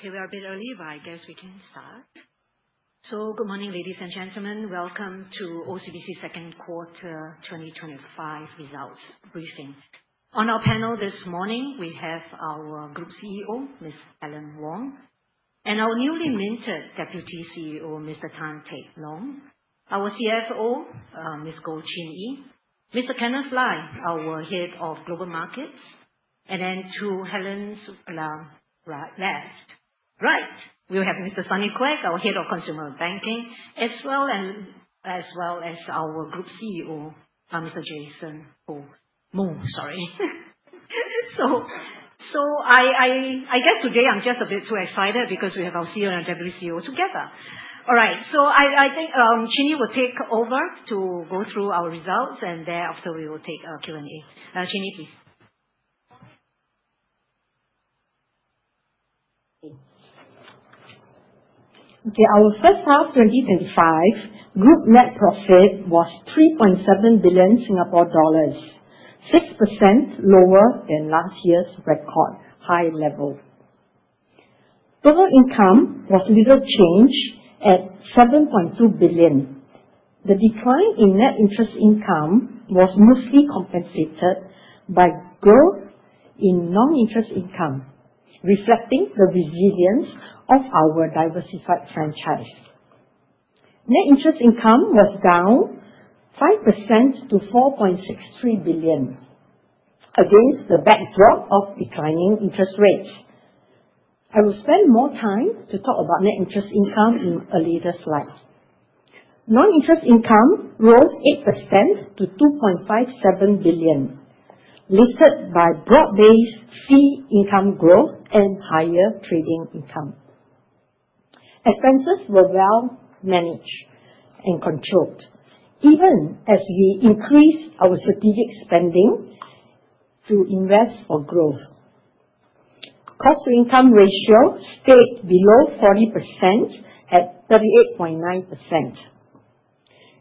Okay, we are a bit early, but I guess we can start. Good morning, ladies and gentlemen. Welcome to OCBC second quarter 2025 results briefing. On our panel this morning, we have our Group CEO, Ms. Helen Wong, and our newly minted Deputy CEO, Mr. Tan Teck Long. Our CFO, Ms. Goh Chin Yee, Mr. Kenneth Lai, our Head of Global Markets, and then to Helen's left, right, we'll have Mr. Sunny Quek, our Head of Consumer Banking, as well as our Group CEO, Mr. Jason Moo. Sorry. I guess today I'm just a bit too excited because we have our CEO and our Deputy CEO together. All right, so I think Chin Yee will take over to go through our results, and thereafter we will take a Q&A. Chin Yee, please. Okay, our first half 2025 group net profit was 3.7 billion Singapore dollars, 6% lower than last year's record high level. Total income was little change at 7.2 billion. The decline in net interest income was mostly compensated by growth in non-interest income, reflecting the resilience of our diversified franchise. Net interest income was down 5% to 4.63 billion against the backdrop of declining interest rates. I will spend more time to talk about net interest income in a later slide. Non-interest income rose 8% to 2.57 billion, lifted by broad-based fee income growth and higher trading income. Expenses were well managed and controlled, even as we increased our strategic spending to invest for growth. Cost-to-Income Ratio stayed below 40% at 38.9%.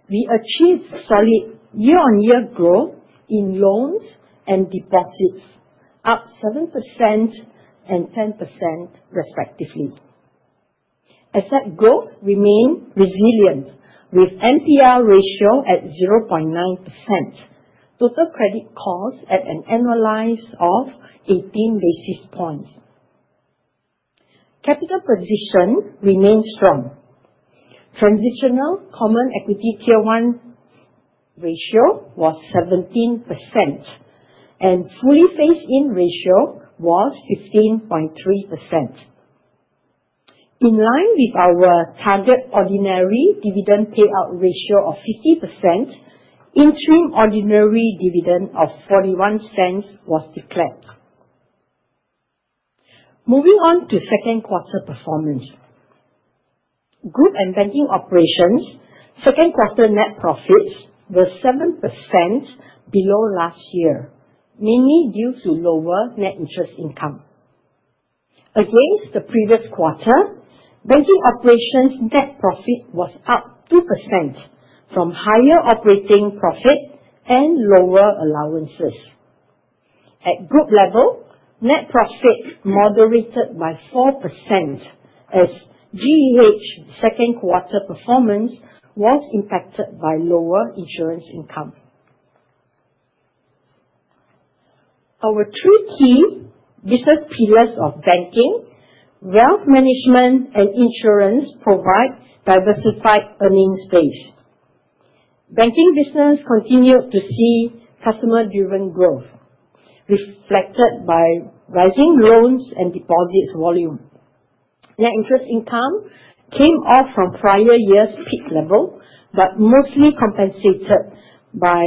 We achieved solid year-on-year growth in loans and deposits, up 7% and 10% respectively. Asset growth remained resilient with NPL ratio at 0.9%, total credit cost at an annualized of 18 basis points. Capital position remained strong. Transitional Common Equity Tier 1 ratio was 17%, and Fully Phased-In ratio was 15.3%. In line with our target ordinary dividend payout ratio of 50%, interim ordinary dividend of 0.41 was declared. Moving on to second quarter performance, Group and Banking Operations' second quarter net profits were 7% below last year, mainly due to lower net interest income. Against the previous quarter, Banking Operations' net profit was up 2% from higher operating profit and lower allowances. At group level, net profit moderated by 4% as GEH second quarter performance was impacted by lower insurance income. Our three key business pillars of banking, wealth management, and insurance provide diversified earnings space. Banking business continued to see customer-driven growth, reflected by rising loans and deposits volume. Net interest income came off from prior year's peak level but mostly compensated by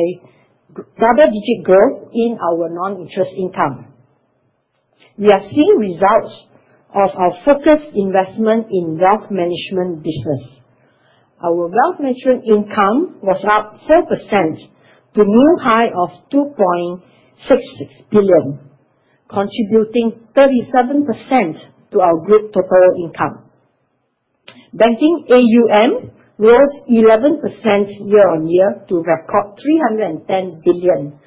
double-digit growth in our non-interest income. We are seeing results of our focused investment in wealth management business. Our wealth management income was up 4% to a new high of 2.66 billion, contributing 37% to our group total income. Banking AUM rose 11% year-on-year to a record 310 billion,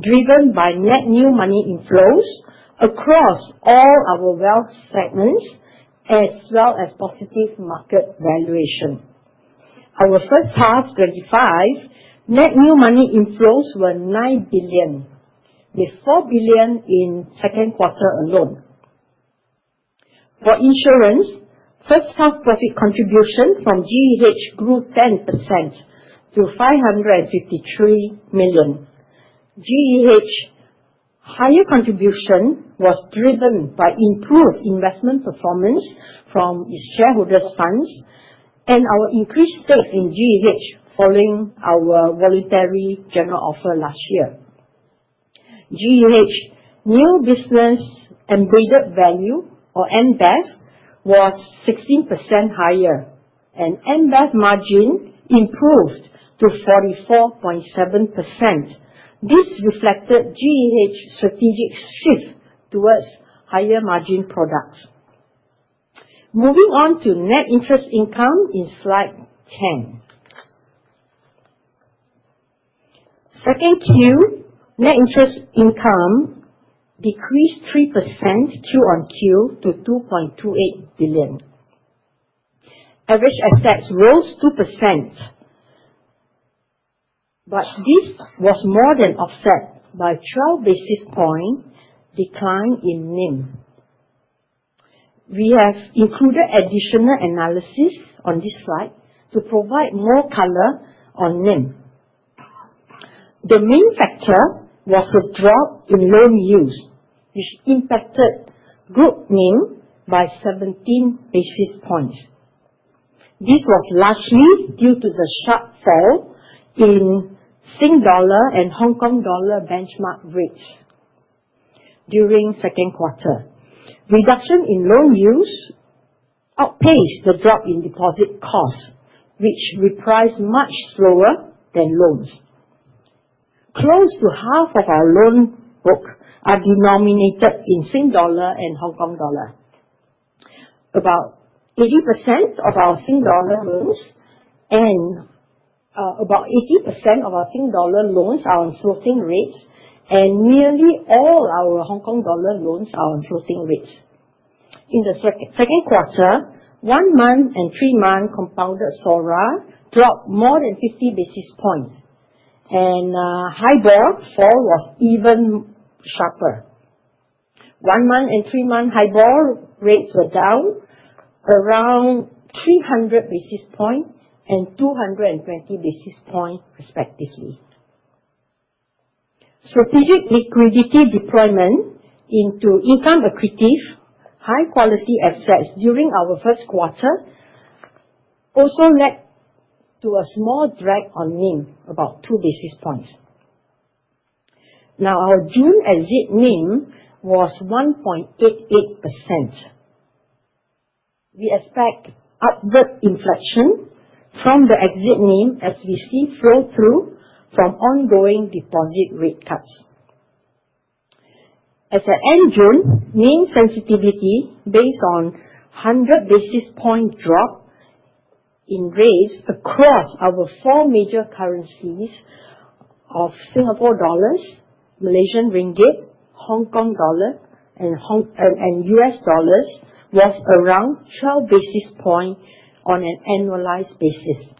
driven by net new money inflows across all our wealth segments as well as positive market valuation. Our first half 2025 net new money inflows were 9 billion, with 4 billion in second quarter alone. For insurance, first-half profit contribution from GEH grew 10% to 553 million. GEH's higher contribution was driven by improved investment performance from its shareholders' funds and our increased stake in GEH following our voluntary general offer last year. GEH's New Business Embedded Value, or NBEV, was 16% higher, and NBEV margin improved to 44.7%. This reflected GEH's strategic shift towards higher margin products. Moving on to net interest income in slide 10. Second Q, net interest income decreased 3% Q on Q to 2.28 billion. Average assets rose 2%, but this was more than offset by a 12 basis point decline in NIM. We have included additional analysis on this slide to provide more color on NIM. The main factor was the drop in loan yields, which impacted Group NIM by 17 basis points. This was largely due to the sharp fall in Singapore dollar and Hong Kong dollar benchmark rates during second quarter. Reduction in loan yields outpaced the drop in deposit cost, which repriced much slower than loans. Close to half of our loan book are denominated in Singapore dollar and Hong Kong dollars. About 80% of our Singapore dollar loans are on floating rates, and nearly all our Hong Kong dollar loans are on floating rates. In the second quarter, one-month and three-month compounded SORA dropped more than 50 basis points, and HIBOR fall was even sharper. One-month and three-month HIBOR rates were down around 300 basis points and 220 basis points respectively. Strategic liquidity deployment into income-accretive high-quality assets during our first quarter also led to a small drag on NIM, about 2 basis points. Now, our June exit NIM was 1.88%. We expect upward inflection from the exit NIM as we see flow-through from ongoing deposit rate cuts. At the end of June, NIM sensitivity based on 100 basis point drop in rates across our four major currencies of Singapore dollars, Malaysian Ringgit, Hong Kong dollars, and U.S. dollars was around 12 basis points on an annualized basis.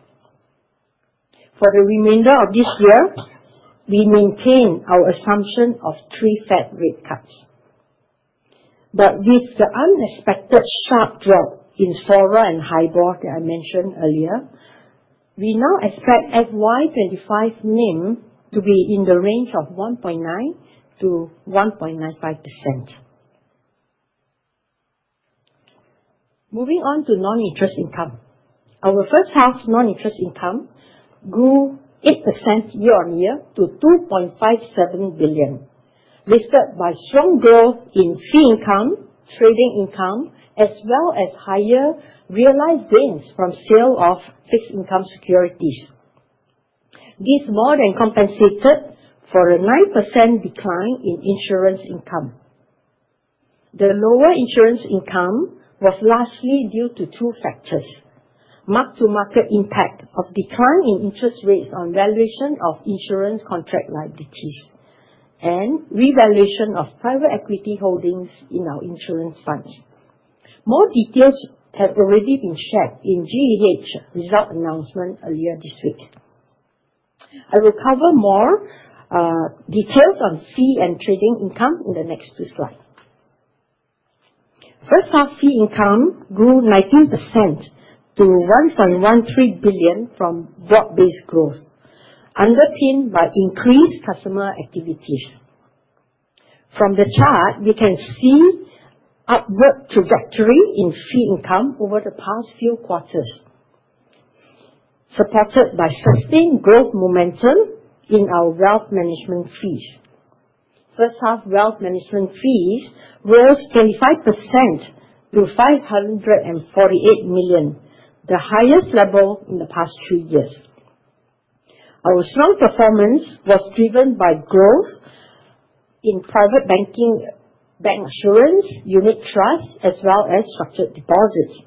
For the remainder of this year, we maintain our assumption of three Fed rate cuts. But with the unexpected sharp drop in SORA and HIBOR that I mentioned earlier, we now expect FY 2025 NIM to be in the range of 1.9%-1.95%. Moving on to non-interest income, our first half non-interest income grew 8% year-on-year to 2.57 billion, lifted by strong growth in fee income, trading income, as well as higher realized gains from sale of fixed income securities. This more than compensated for a 9% decline in insurance income. The lower insurance income was largely due to two factors: mark-to-market impact of decline in interest rates on valuation of insurance contract liabilities and revaluation of private equity holdings in our insurance funds. More details have already been shared in GEH result announcement earlier this week. I will cover more details on fee and trading income in the next two slides. First half fee income grew 19% to 1.13 billion from broad-based growth, underpinned by increased customer activities. From the chart, we can see outward trajectory in fee income over the past few quarters, supported by sustained growth momentum in our wealth management fees. First half wealth management fees rose 25% to 548 million, the highest level in the past two years. Our strong performance was driven by growth in private banking, bancassurance, unit trusts, as well as structured deposits.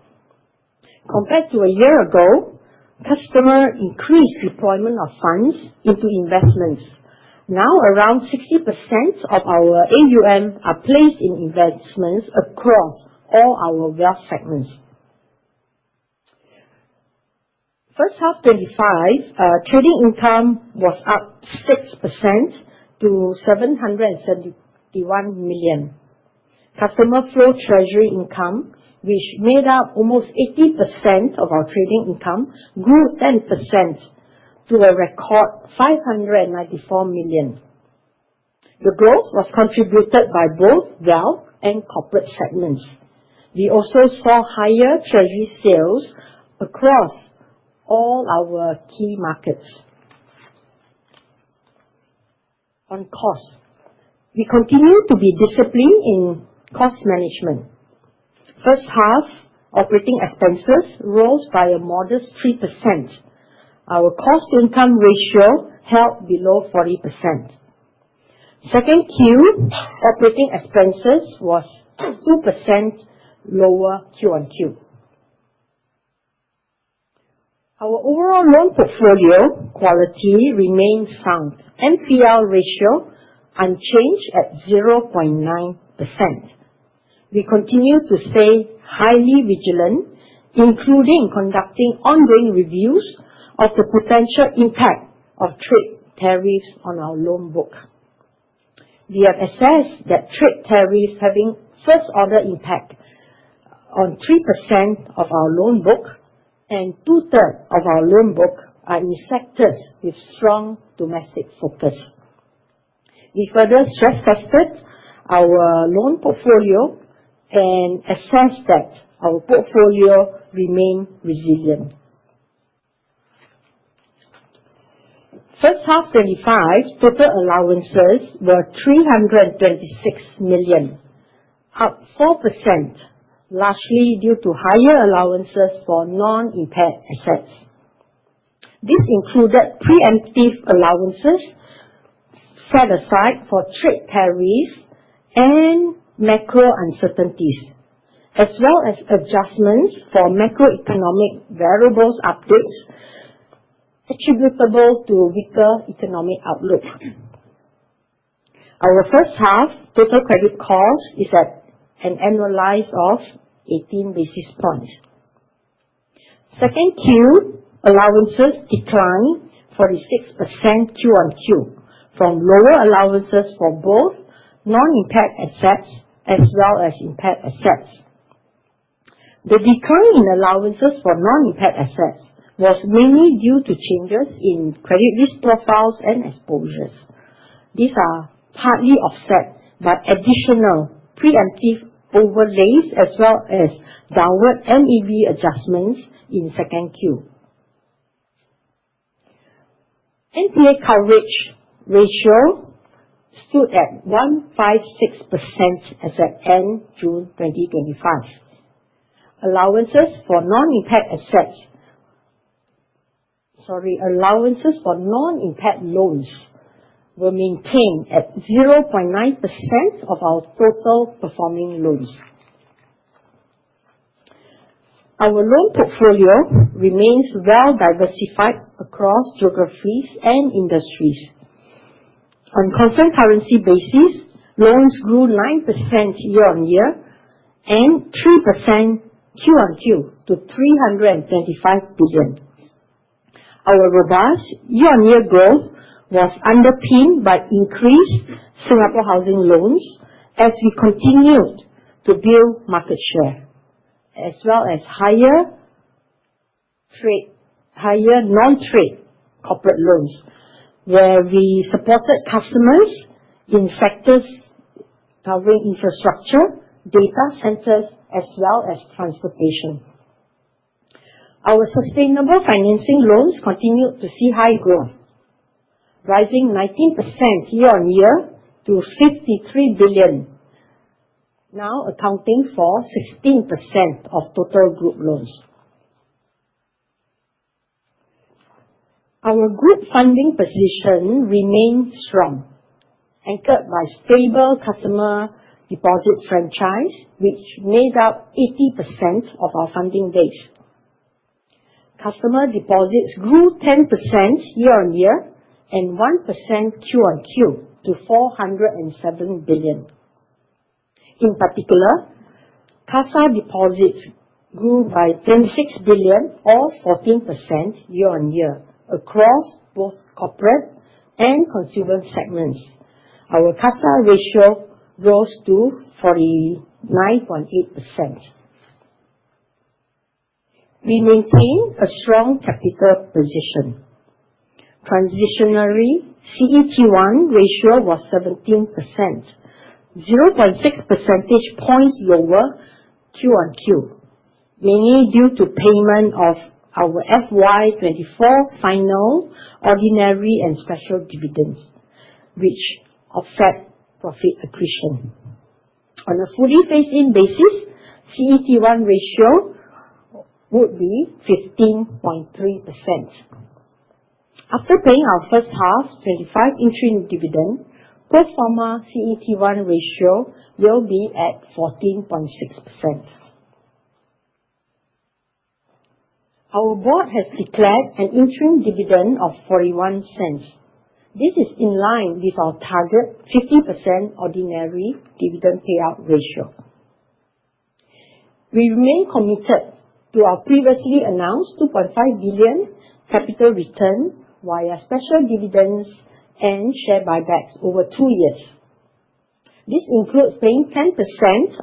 Compared to a year ago, customers increased deployment of funds into investments. Now, around 60% of our AUM are placed in investments across all our wealth segments. First half 2025, trading income was up 6% to 771 million. Customer flow treasury income, which made up almost 80% of our trading income, grew 10% to a record 594 million. The growth was contributed by both wealth and corporate segments. We also saw higher treasury sales across all our key markets. On cost, we continue to be disciplined in cost management. First half operating expenses rose by a modest 3%. Our cost-to-income ratio held below 40%. Second Q operating expenses was 2% lower Q on Q. Our overall loan portfolio quality remained sound. NPL ratio unchanged at 0.9%. We continue to stay highly vigilant, including conducting ongoing reviews of the potential impact of trade tariffs on our loan book. We have assessed that trade tariffs have a first-order impact on 3% of our loan book and two-thirds of our loan book are in sectors with strong domestic focus. We further stress-tested our loan portfolio and assessed that our portfolio remained resilient. First-half 2025 total allowances were 326 million, up 4%, largely due to higher allowances for non-impaired assets. This included preemptive allowances set aside for trade tariffs and macro uncertainties, as well as adjustments for macroeconomic variables updates attributable to weaker economic outlook. Our first-half total credit cost is at an annualized of 18 basis points. Second Q allowances declined 46% Q on Q from lower allowances for both non-impaired assets as well as impaired assets. The decline in allowances for non-impaired assets was mainly due to changes in credit risk profiles and exposures. These are partly offset by additional preemptive overlays as well as downward [LEV] adjustments in second Q. NPA coverage ratio stood at 156% as at end June 2025. Allowances for non-impaired assets - sorry, allowances for non-impaired loans - were maintained at 0.9% of our total performing loans. Our loan portfolio remains well diversified across geographies and industries. On constant currency basis, loans grew 9% year-on-year and 3% Q on Q to 325 billion. Our robust year-on-year growth was underpinned by increased Singapore housing loans as we continued to build market share, as well as higher non-trade corporate loans, where we supported customers in sectors covering infrastructure, data centers, as well as transportation. Our sustainable financing loans continued to see high growth, rising 19% year-on-year to 53 billion, now accounting for 16% of total group loans. Our group funding position remained strong, anchored by stable customer deposit franchise, which made up 80% of our funding base. Customer deposits grew 10% year-on-year and 1% Q on Q to 407 billion. In particular, CASA deposits grew by 26 billion, or 14% year-on-year, across both corporate and consumer segments. Our CASA ratio rose to 49.8%. We maintain a strong capital position. Transitionally, CEQ1 ratio was 17%, 0.6 percentage points lower Q on Q, mainly due to payment of our FY24 final ordinary and special dividends, which offset profit accretion. On a fully phased-in basis, CEQ1 ratio would be 15.3%. After paying our first half 2025 interim dividend, post-forma CEQ1 ratio will be at 14.6%. Our board has declared an interim dividend of 0.41. This is in line with our target 50% ordinary dividend payout ratio. We remain committed to our previously announced 2.5 billion capital return via special dividends and share buybacks over two years. This includes paying 10%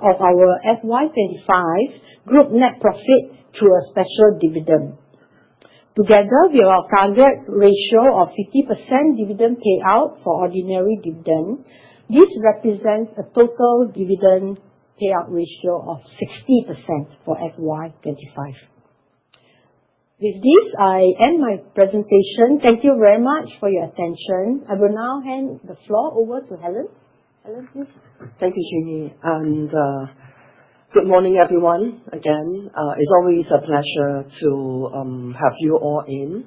of our FY 2025 group net profit through a special dividend. Together, we have a target ratio of 50% dividend payout for ordinary dividend. This represents a total dividend payout ratio of 60% for FY 2025. With this, I end my presentation. Thank you very much for your attention. I will now hand the floor over to Helen. Helen, please. Thank you, Chin Yee. Good morning, everyone, again. It's always a pleasure to have you all in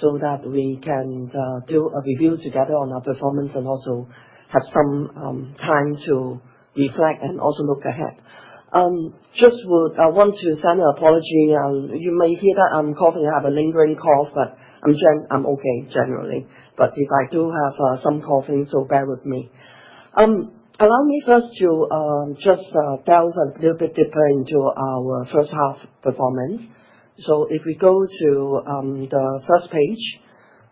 so that we can do a review together on our performance and also have some time to reflect and also look ahead. I just want to send an apology. You may hear that I'm coughing. I have a lingering cough, but I'm okay generally. But if I do have some coughing, so bear with me. Allow me first to just delve a little bit deeper into our first half performance. So if we go to the first page,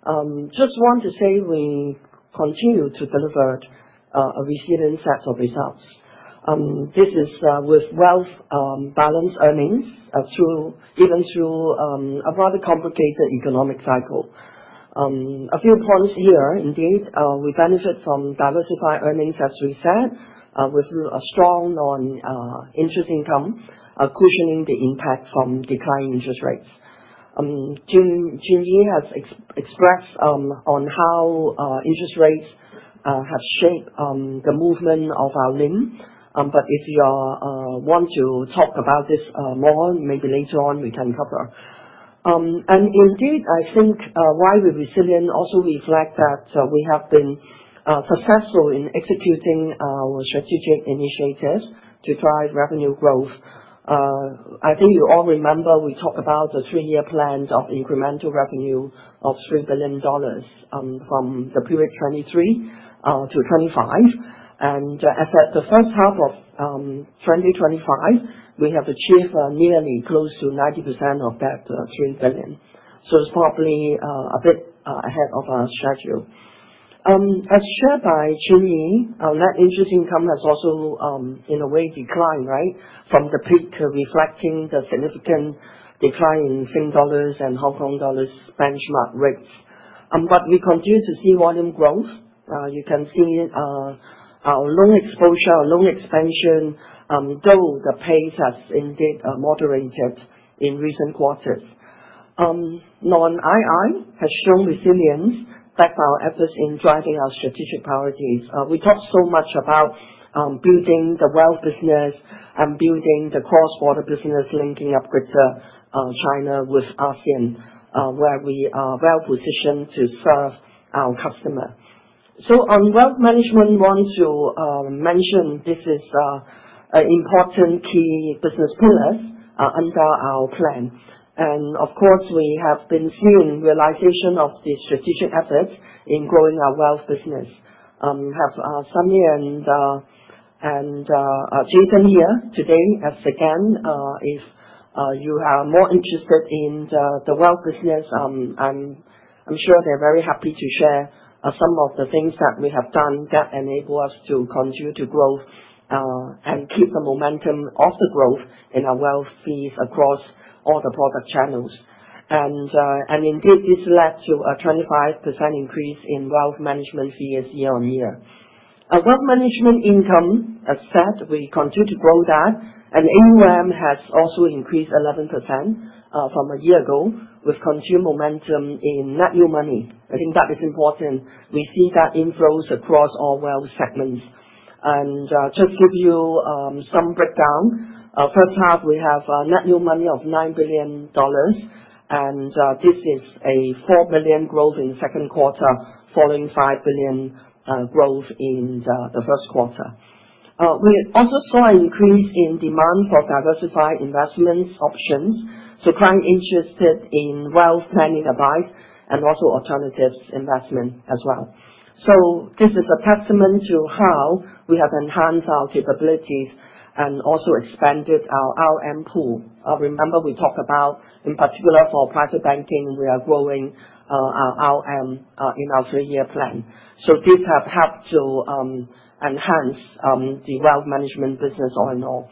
I just want to say we continue to deliver a resilient set of results. This is with well-balanced earnings through, even through, a rather complicated economic cycle. A few points here, indeed. We benefit from diversified earnings, as we said, with a strong non-interest income cushioning the impact from declining interest rates. Chin Yee has expressed on how interest rates have shaped the movement of our NIM. But if you want to talk about this more, maybe later on, we can cover. Indeed, I think why we're resilient also reflects that we have been successful in executing our strategic initiatives to drive revenue growth. I think you all remember we talked about the three-year plan of incremental revenue of 3 billion dollars from the period 2023 to 2025. And as at the first half of 2025, we have achieved nearly close to 90% of that 3 billion. So it's probably a bit ahead of our schedule. As shared by Chin Yee, net interest income has also, in a way, declined, right, from the peak reflecting the significant decline in Singapore dollars and Hong Kong dollars benchmark rates, but we continue to see volume growth. You can see our loan exposure, our loan expansion though the pace has indeed moderated in recent quarters. Non-NII has shown resilience backed by our efforts in driving our strategic priorities. We talked so much about building the wealth business and building the cross-border business linking up with China with ASEAN, where we are well positioned to serve our customer. So on wealth management, I want to mention this is an important key business pillar under our plan, and of course, we have been seeing realization of the strategic efforts in growing our wealth business. Have Sunny and Jason here today. As again, if you are more interested in the wealth business, I'm sure they're very happy to share some of the things that we have done that enable us to continue to grow and keep the momentum of the growth in our wealth fees across all the product channels. Indeed, this led to a 25% increase in wealth management fees year-on-year. Wealth management income, as said, we continue to grow that. AUM has also increased 11% from a year ago with continued momentum in net new money. I think that is important. We see that inflows across all wealth segments. Just give you some breakdown. First half, we have net new money of 9 billion dollars. This is a 4 billion growth in second quarter following 5 billion growth in the first quarter. We also saw an increase in demand for diversified investment options, so clients interested in wealth planning advice and also alternative investment as well. So this is a testament to how we have enhanced our capabilities and also expanded our RM pool. Remember, we talked about, in particular for private banking, we are growing our RM in our three-year plan. So these have helped to enhance the wealth management business all in all.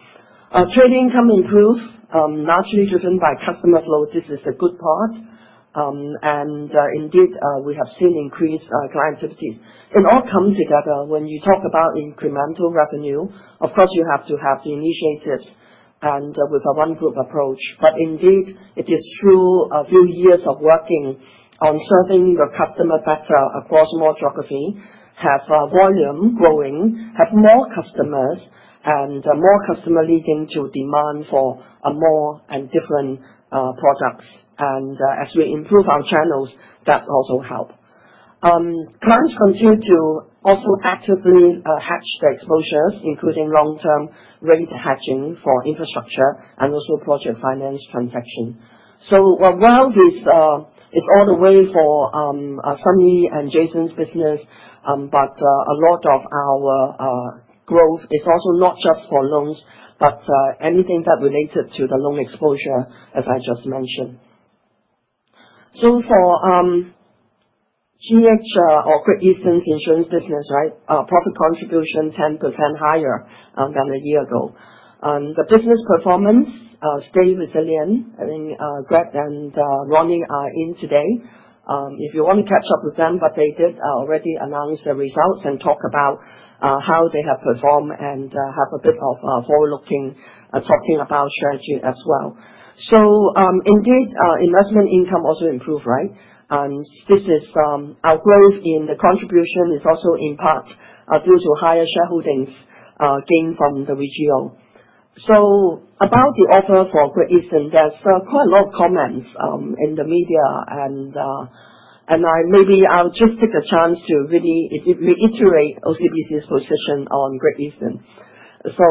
Trading income improved, largely driven by customer flow. This is a good part, and indeed, we have seen increased client activities. It all comes together when you talk about incremental revenue. Of course, you have to have the initiatives and with a one-group approach. But indeed, it is through a few years of working on serving your customer better across more geography, have volume growing, have more customers, and more customers leading to demand for more and different products. And as we improve our channels, that also helps. Clients continue to also actively hedge their exposures, including long-term rate hedging for infrastructure and also project finance transactions. So wealth is all the way for Sunny and Jason's business, but a lot of our growth is also not just for loans, but anything that related to the loan exposure, as I just mentioned. So for GE or Great Eastern's insurance business, right, profit contribution 10% higher than a year ago. The business performance stayed resilient. I think Greg and Ronnie are in today. If you want to catch up with them, but they did already announce the results and talk about how they have performed and have a bit of forward-looking talking about strategy as well. So indeed, investment income also improved, right? This is our growth in the contribution is also in part due to higher shareholdings gained from the region. So about the offer for Great Eastern, there's quite a lot of comments in the media. And maybe I'll just take a chance to really reiterate OCBC's position on Great Eastern. So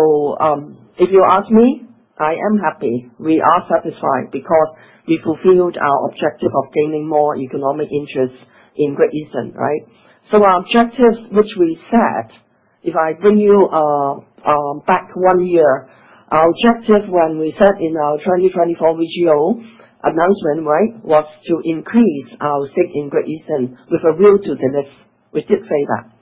if you ask me, I am happy. We are satisfied because we fulfilled our objective of gaining more economic interest in Great Eastern, right? Our objectives, which we set, if I bring you back one year, our objective when we set in our 2024 results announcement, right, was to increase our stake in Great Eastern with a view to delist. We did say that.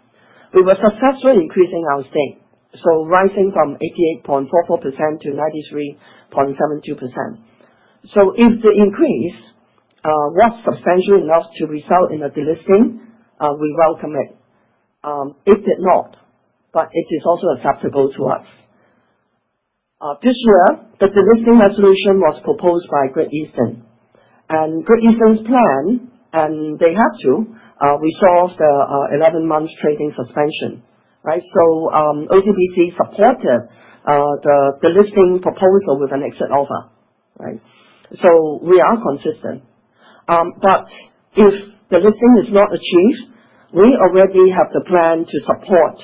We were successfully increasing our stake, so rising from 88.44% to 93.72%. If the increase was substantial enough to result in a delisting, we welcome it. It did not, but it is also acceptable to us. This year, the delisting resolution was proposed by Great Eastern. Great Eastern's plan, and they have to resolve the 11-month trading suspension, right? OCBC supported the delisting proposal with an exit offer, right? We are consistent. If delisting is not achieved, we already have the plan to support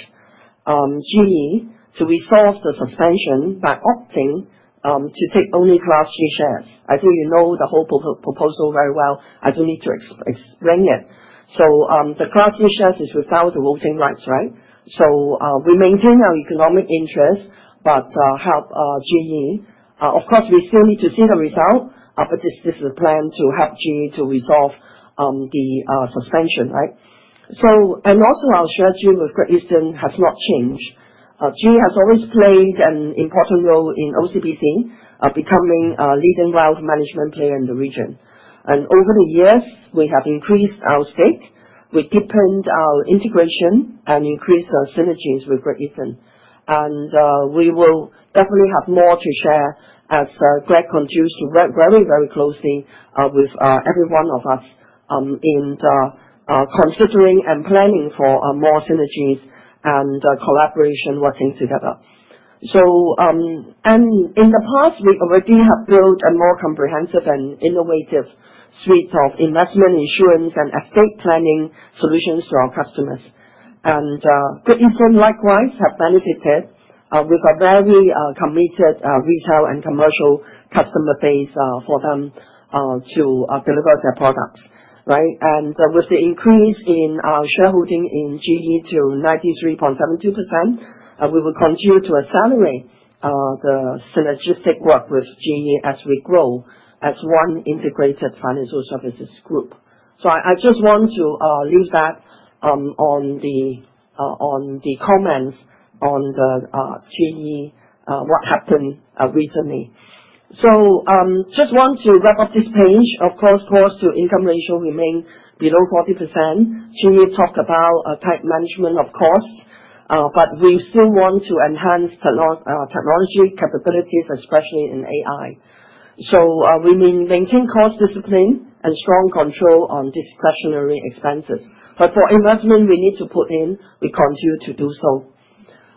GE to resolve the suspension by opting to take only Class G Shares. I think you know the whole proposal very well. I don't need to explain it. So the class G shares is without the voting rights, right? So we maintain our economic interest but help GE. Of course, we still need to see the result, but this is a plan to help GE to resolve the suspension, right? And also, our strategy with Great Eastern has not changed. GE has always played an important role in OCBC, becoming a leading wealth management player in the region. And over the years, we have increased our stake. We deepened our integration and increased our synergies with Great Eastern. And we will definitely have more to share as Greg continues to work very, very closely with every one of us in considering and planning for more synergies and collaboration working together. And in the past, we already have built a more comprehensive and innovative suite of investment insurance and estate planning solutions to our customers. And Great Eastern likewise has benefited with a very committed retail and commercial customer base for them to deliver their products, right? And with the increase in our shareholding in GE to 93.72%, we will continue to accelerate the synergistic work with GE as we grow as one integrated financial services group. So I just want to leave that on the comments on the GE what happened recently. So just want to wrap up this page. Of course, cost-to-income ratio remains below 40%. GE talked about tight management of costs, but we still want to enhance technology capabilities, especially in AI. So we maintain cost discipline and strong control on discretionary expenses. But for investment, we need to put in. We continue to do so.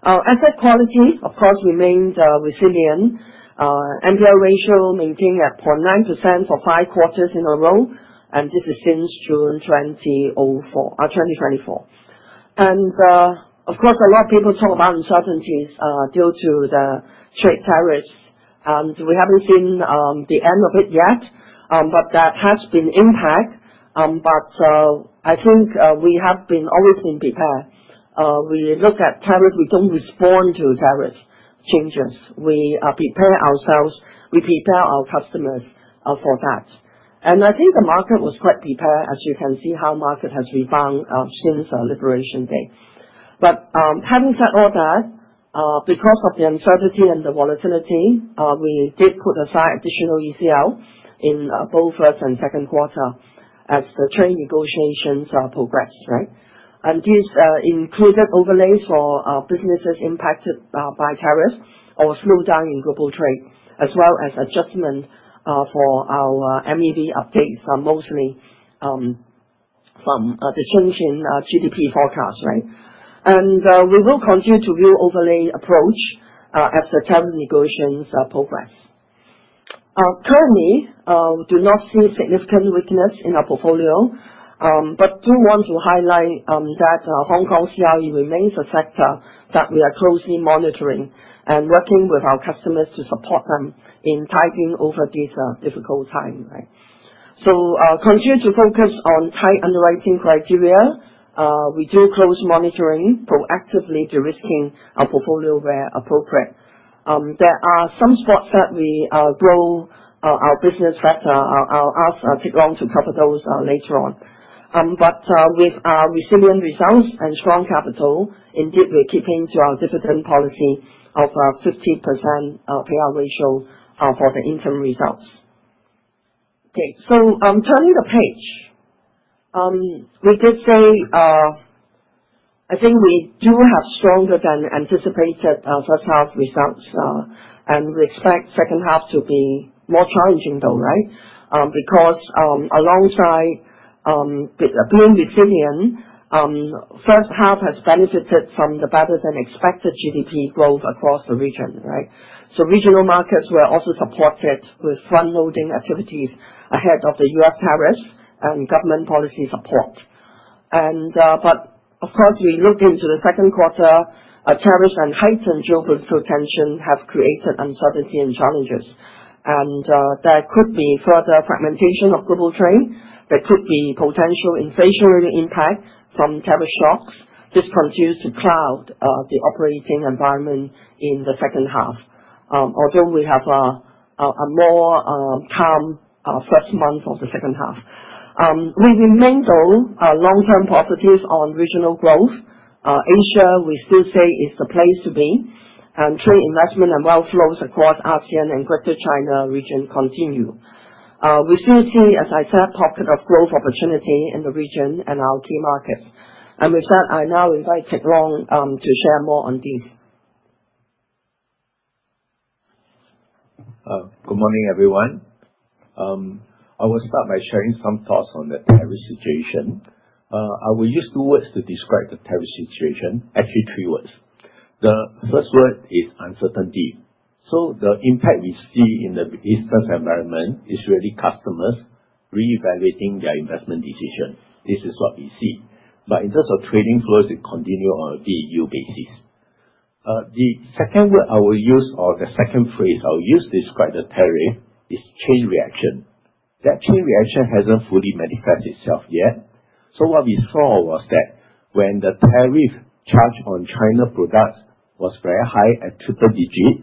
Asset quality, of course, remains resilient. NPL ratio maintained at 0.9% for five quarters in a row, and this is since June 2024, and of course, a lot of people talk about uncertainties due to the trade tariffs, and we haven't seen the end of it yet, but that has been impact. But I think we have always been prepared. We look at tariffs. We don't respond to tariff changes. We prepare ourselves. We prepare our customers for that, and I think the market was quite prepared, as you can see how market has rebounded since Liberation Day, but having said all that, because of the uncertainty and the volatility, we did put aside additional ECL in both first and second quarter as the trade negotiations progressed, right? These included overlays for businesses impacted by tariffs or slowdown in global trade, as well as adjustment for our MEV updates, mostly from the change in GDP forecast, right? We will continue to view overlay approach as the tariff negotiations progress. Currently, we do not see significant weakness in our portfolio, but do want to highlight that Hong Kong CRE remains a sector that we are closely monitoring and working with our customers to support them in tiding over this difficult time, right? Continue to focus on tight underwriting criteria. We do close monitoring. Proactively de-risking our portfolio where appropriate. There are some spots that we grow our business. It'll take long to cover those later on. With resilient results and strong capital, indeed, we're keeping to our dividend policy of 50% payout ratio for the interim results. Okay. So, turning the page, we did say, I think, we do have stronger than anticipated first half results, and we expect second half to be more challenging though, right? Because, alongside being resilient, first half has benefited from the better than expected GDP growth across the region, right? So, regional markets were also supported with frontloading activities ahead of the U.S. tariffs and government policy support. But of course, we looked into the second quarter. Tariffs and heightened geopolitical tension have created uncertainty and challenges. And there could be further fragmentation of global trade. There could be potential inflationary impact from tariff shocks. This continues to cloud the operating environment in the second half, although we have a more calm first month of the second half. We remain though long-term positives on regional growth. Asia, we still say, is the place to be. Trade investment and wealth flows across ASEAN and Greater China region continue. We still see, as I said, pocket of growth opportunity in the region and our key markets. With that, I now invite Tan Teck Long to share more on these. Good morning, everyone. I will start by sharing some thoughts on the tariff situation. I will use two words to describe the tariff situation, actually three words. The first word is uncertainty. So the impact we see in the business environment is really customers reevaluating their investment decision. This is what we see. But in terms of trading flows, it continues on a daily basis. The second word I will use, or the second phrase I will use to describe the tariff is chain reaction. That chain reaction hasn't fully manifested itself yet. What we saw was that when the tariff charge on China products was very high at triple-digit,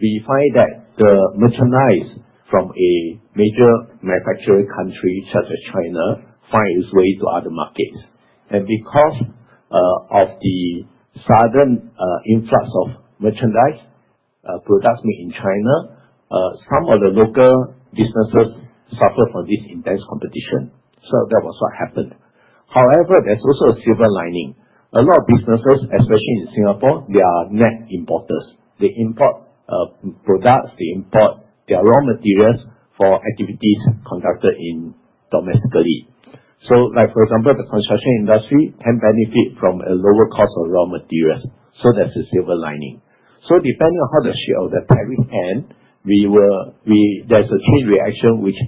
we find that the merchandise from a major manufacturing country such as China finds its way to other markets. And because of the sudden influx of merchandise products made in China, some of the local businesses suffer from this intense competition. So that was what happened. However, there's also a silver lining. A lot of businesses, especially in Singapore, they are net importers. They import products. They import their raw materials for activities conducted domestically. So like for example, the construction industry can benefit from a lower cost of raw materials. So that's a silver lining. So depending on how the tariff ends, there's a chain reaction which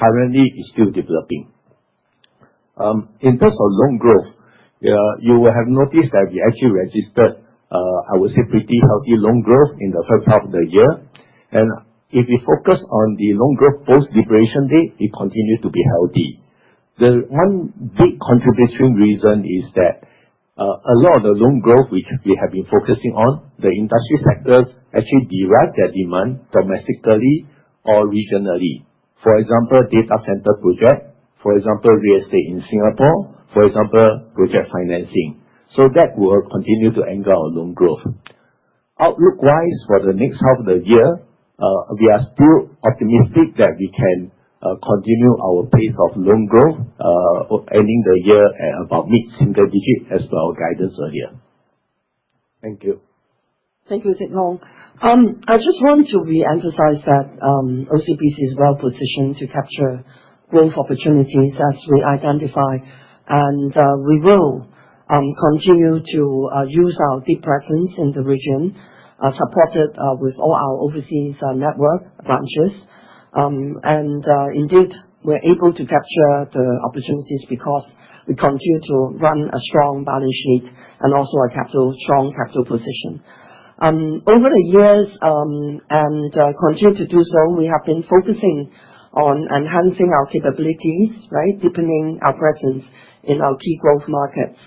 currently is still developing. In terms of loan growth, you will have noticed that we actually registered, I would say, pretty healthy loan growth in the first half of the year. If we focus on the loan growth post-Liberation Day, it continued to be healthy. The one big contributing reason is that a lot of the loan growth which we have been focusing on, the industry sectors actually derive their demand domestically or regionally. For example, data center project, for example, real estate in Singapore, for example, project financing. So that will continue to angle our loan growth. Outlook-wise, for the next half of the year, we are still optimistic that we can continue our pace of loan growth, ending the year at about mid-single digit as per our guidance earlier. Thank you. Thank you, Teck Long. I just want to re-emphasize that OCBC is well-positioned to capture growth opportunities as we identify. And we will continue to use our deep presence in the region, supported with all our overseas network branches. And indeed, we're able to capture the opportunities because we continue to run a strong balance sheet and also a strong capital position. Over the years and continue to do so, we have been focusing on enhancing our capabilities, right? Deepening our presence in our key growth markets.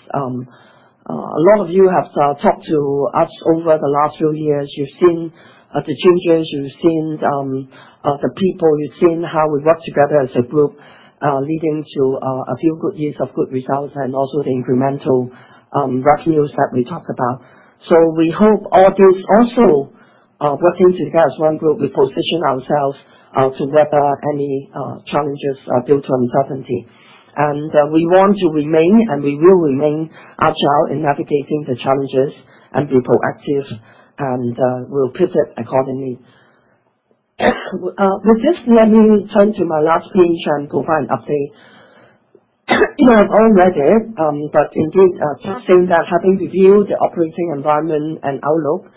A lot of you have talked to us over the last few years. You've seen the changes. You've seen the people. You've seen how we work together as a group, leading to a few good years of good results and also the incremental revenues that we talked about. So we hope all this, also working together as one group, we position ourselves to weather any challenges due to uncertainty. We want to remain, and we will remain, agile in navigating the challenges and be proactive and will pivot accordingly. With this, let me turn to my last page and provide an update. You have all read it, but indeed, just saying that having reviewed the operating environment and outlook,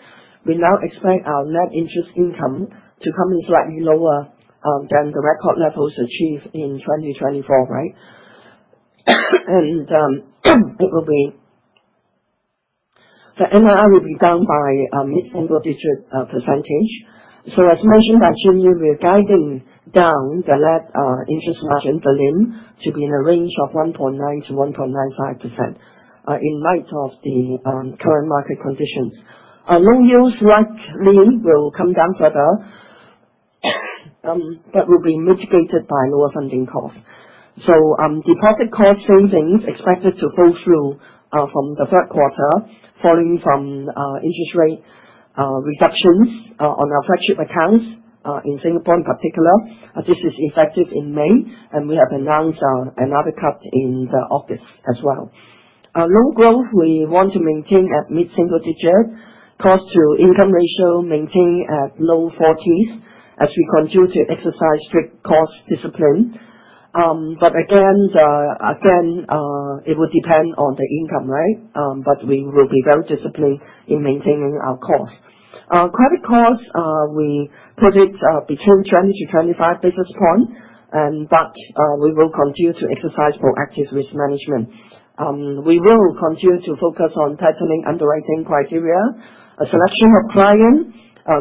we now expect our net interest income to come in slightly lower than the record levels achieved in 2024, right? And the NIR will be down by mid-single digit percentage. So as mentioned by GE, we are guiding down the net interest margin volume to be in a range of 1.9%-1.95% in light of the current market conditions. Loan yields likely will come down further, but will be mitigated by lower funding costs. Deposit cost savings expected to fall through from the third quarter, following from interest rate reductions on our flagship accounts in Singapore in particular. This is effective in May, and we have announced another cut in August as well. Loan growth, we want to maintain at mid-single digit. Cost-to-income ratio, maintain at low 40s as we continue to exercise strict cost discipline. But again, it will depend on the income, right? But we will be very disciplined in maintaining our cost. Credit cost, we put it between 20-25 basis points, but we will continue to exercise proactive risk management. We will continue to focus on tightening underwriting criteria, a selection of clients,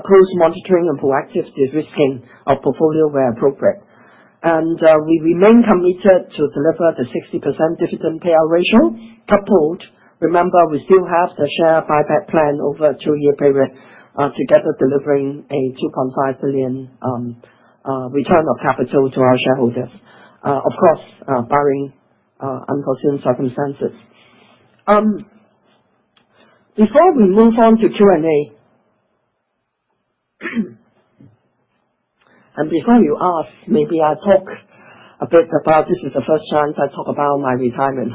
close monitoring, and proactive de-risking our portfolio where appropriate. We remain committed to deliver the 60% dividend payout ratio coupled. Remember, we still have the share buyback plan over a two-year period to get delivering a 2.5 billion return of capital to our shareholders, of course, barring unforeseen circumstances. Before we move on to Q&A, and before you ask, maybe I talk a bit about this is the first chance I talk about my retirement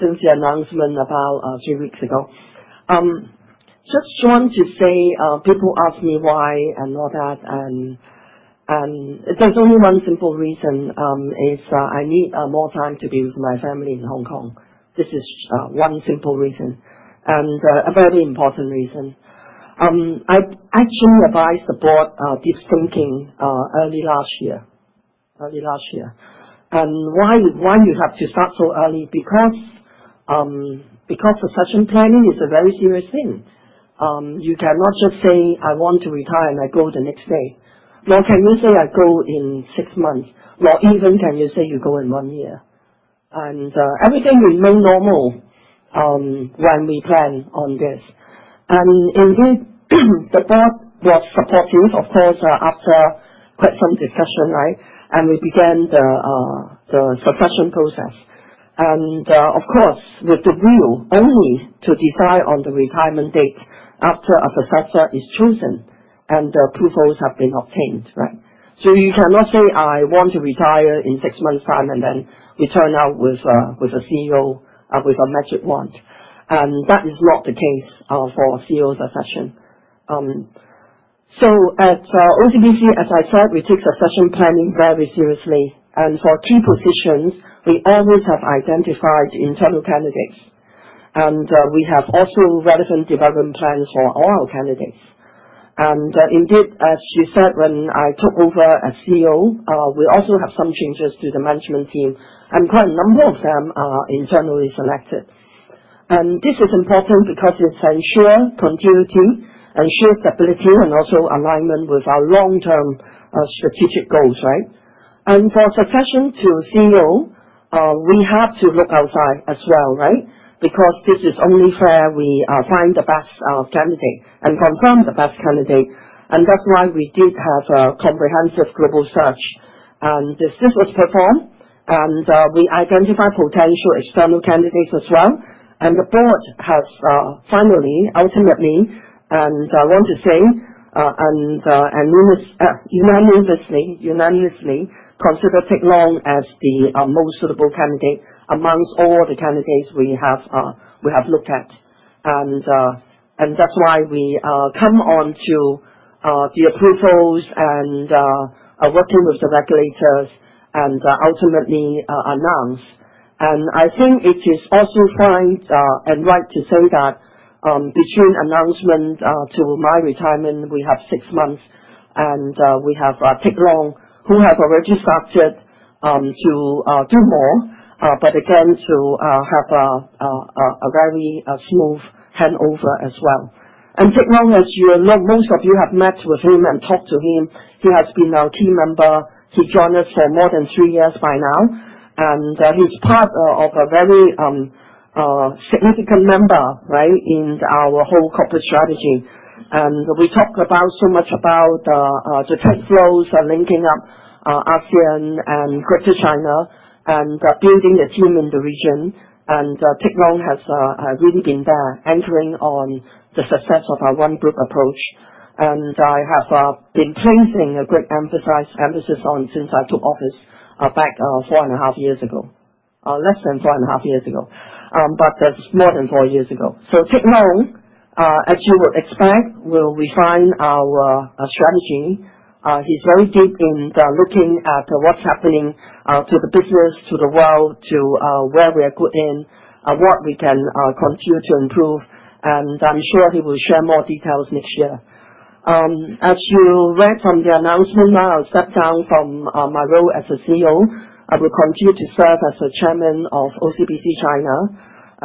since the announcement about three weeks ago. Just want to say people ask me why and all that, and there's only one simple reason: I need more time to be with my family in Hong Kong. This is one simple reason and a very important reason. I actually advised the board deep thinking early last year. Early last year. And why you have to start so early? Because succession planning is a very serious thing. You cannot just say, "I want to retire," and I go the next day, nor can you say, "I go in six months," nor even can you say you go in one year. And everything remained normal when we planned on this. And indeed, the board was supportive, of course, after quite some discussion, right? And we began the succession process. And of course, we've been willing only to decide on the retirement date after a successor is chosen and the proof holds have been obtained, right? So you cannot say, "I want to retire in six months' time," and then we turn out with a CEO with a magic wand. And that is not the case for CEO succession. So at OCBC, as I said, we take succession planning very seriously. And for key positions, we always have identified internal candidates. We have also relevant development plans for all our candidates. Indeed, as you said, when I took over as CEO, we also have some changes to the management team. Quite a number of them are internally selected. This is important because it ensures continuity, ensures stability, and also alignment with our long-term strategic goals, right? For succession to CEO, we have to look outside as well, right? Because this is only where we find the best candidate and confirm the best candidate. That's why we did have a comprehensive global search. This was performed, and we identified potential external candidates as well. The board has finally, ultimately, and I want to say, and unanimously consider Teck Long as the most suitable candidate among all the candidates we have looked at. And that's why we come on to the approvals and working with the regulators and ultimately announce. And I think it is also fine and right to say that between announcement to my retirement, we have six months, and we have Teck Long, who has already started to do more, but again, to have a very smooth handover as well. And Teck Long, as you know, most of you have met with him and talked to him. He has been our key member. He joined us for more than three years by now. And he's part of a very significant member, right, in our whole corporate strategy. And we talked so much about the trade flows linking up ASEAN and Greater China and building the team in the region. And Teck Long has really been there anchoring on the success of our one-group approach. I have been placing a great emphasis on since I took office back four and a half years ago, less than four and a half years ago, but that's more than four years ago. Teck Long, as you would expect, will refine our strategy. He's very deep in looking at what's happening to the business, to the world, to where we are good in, what we can continue to improve. I'm sure he will share more details next year. As you read from the announcement, I'll step down from my role as CEO. I will continue to serve as the chairman of OCBC China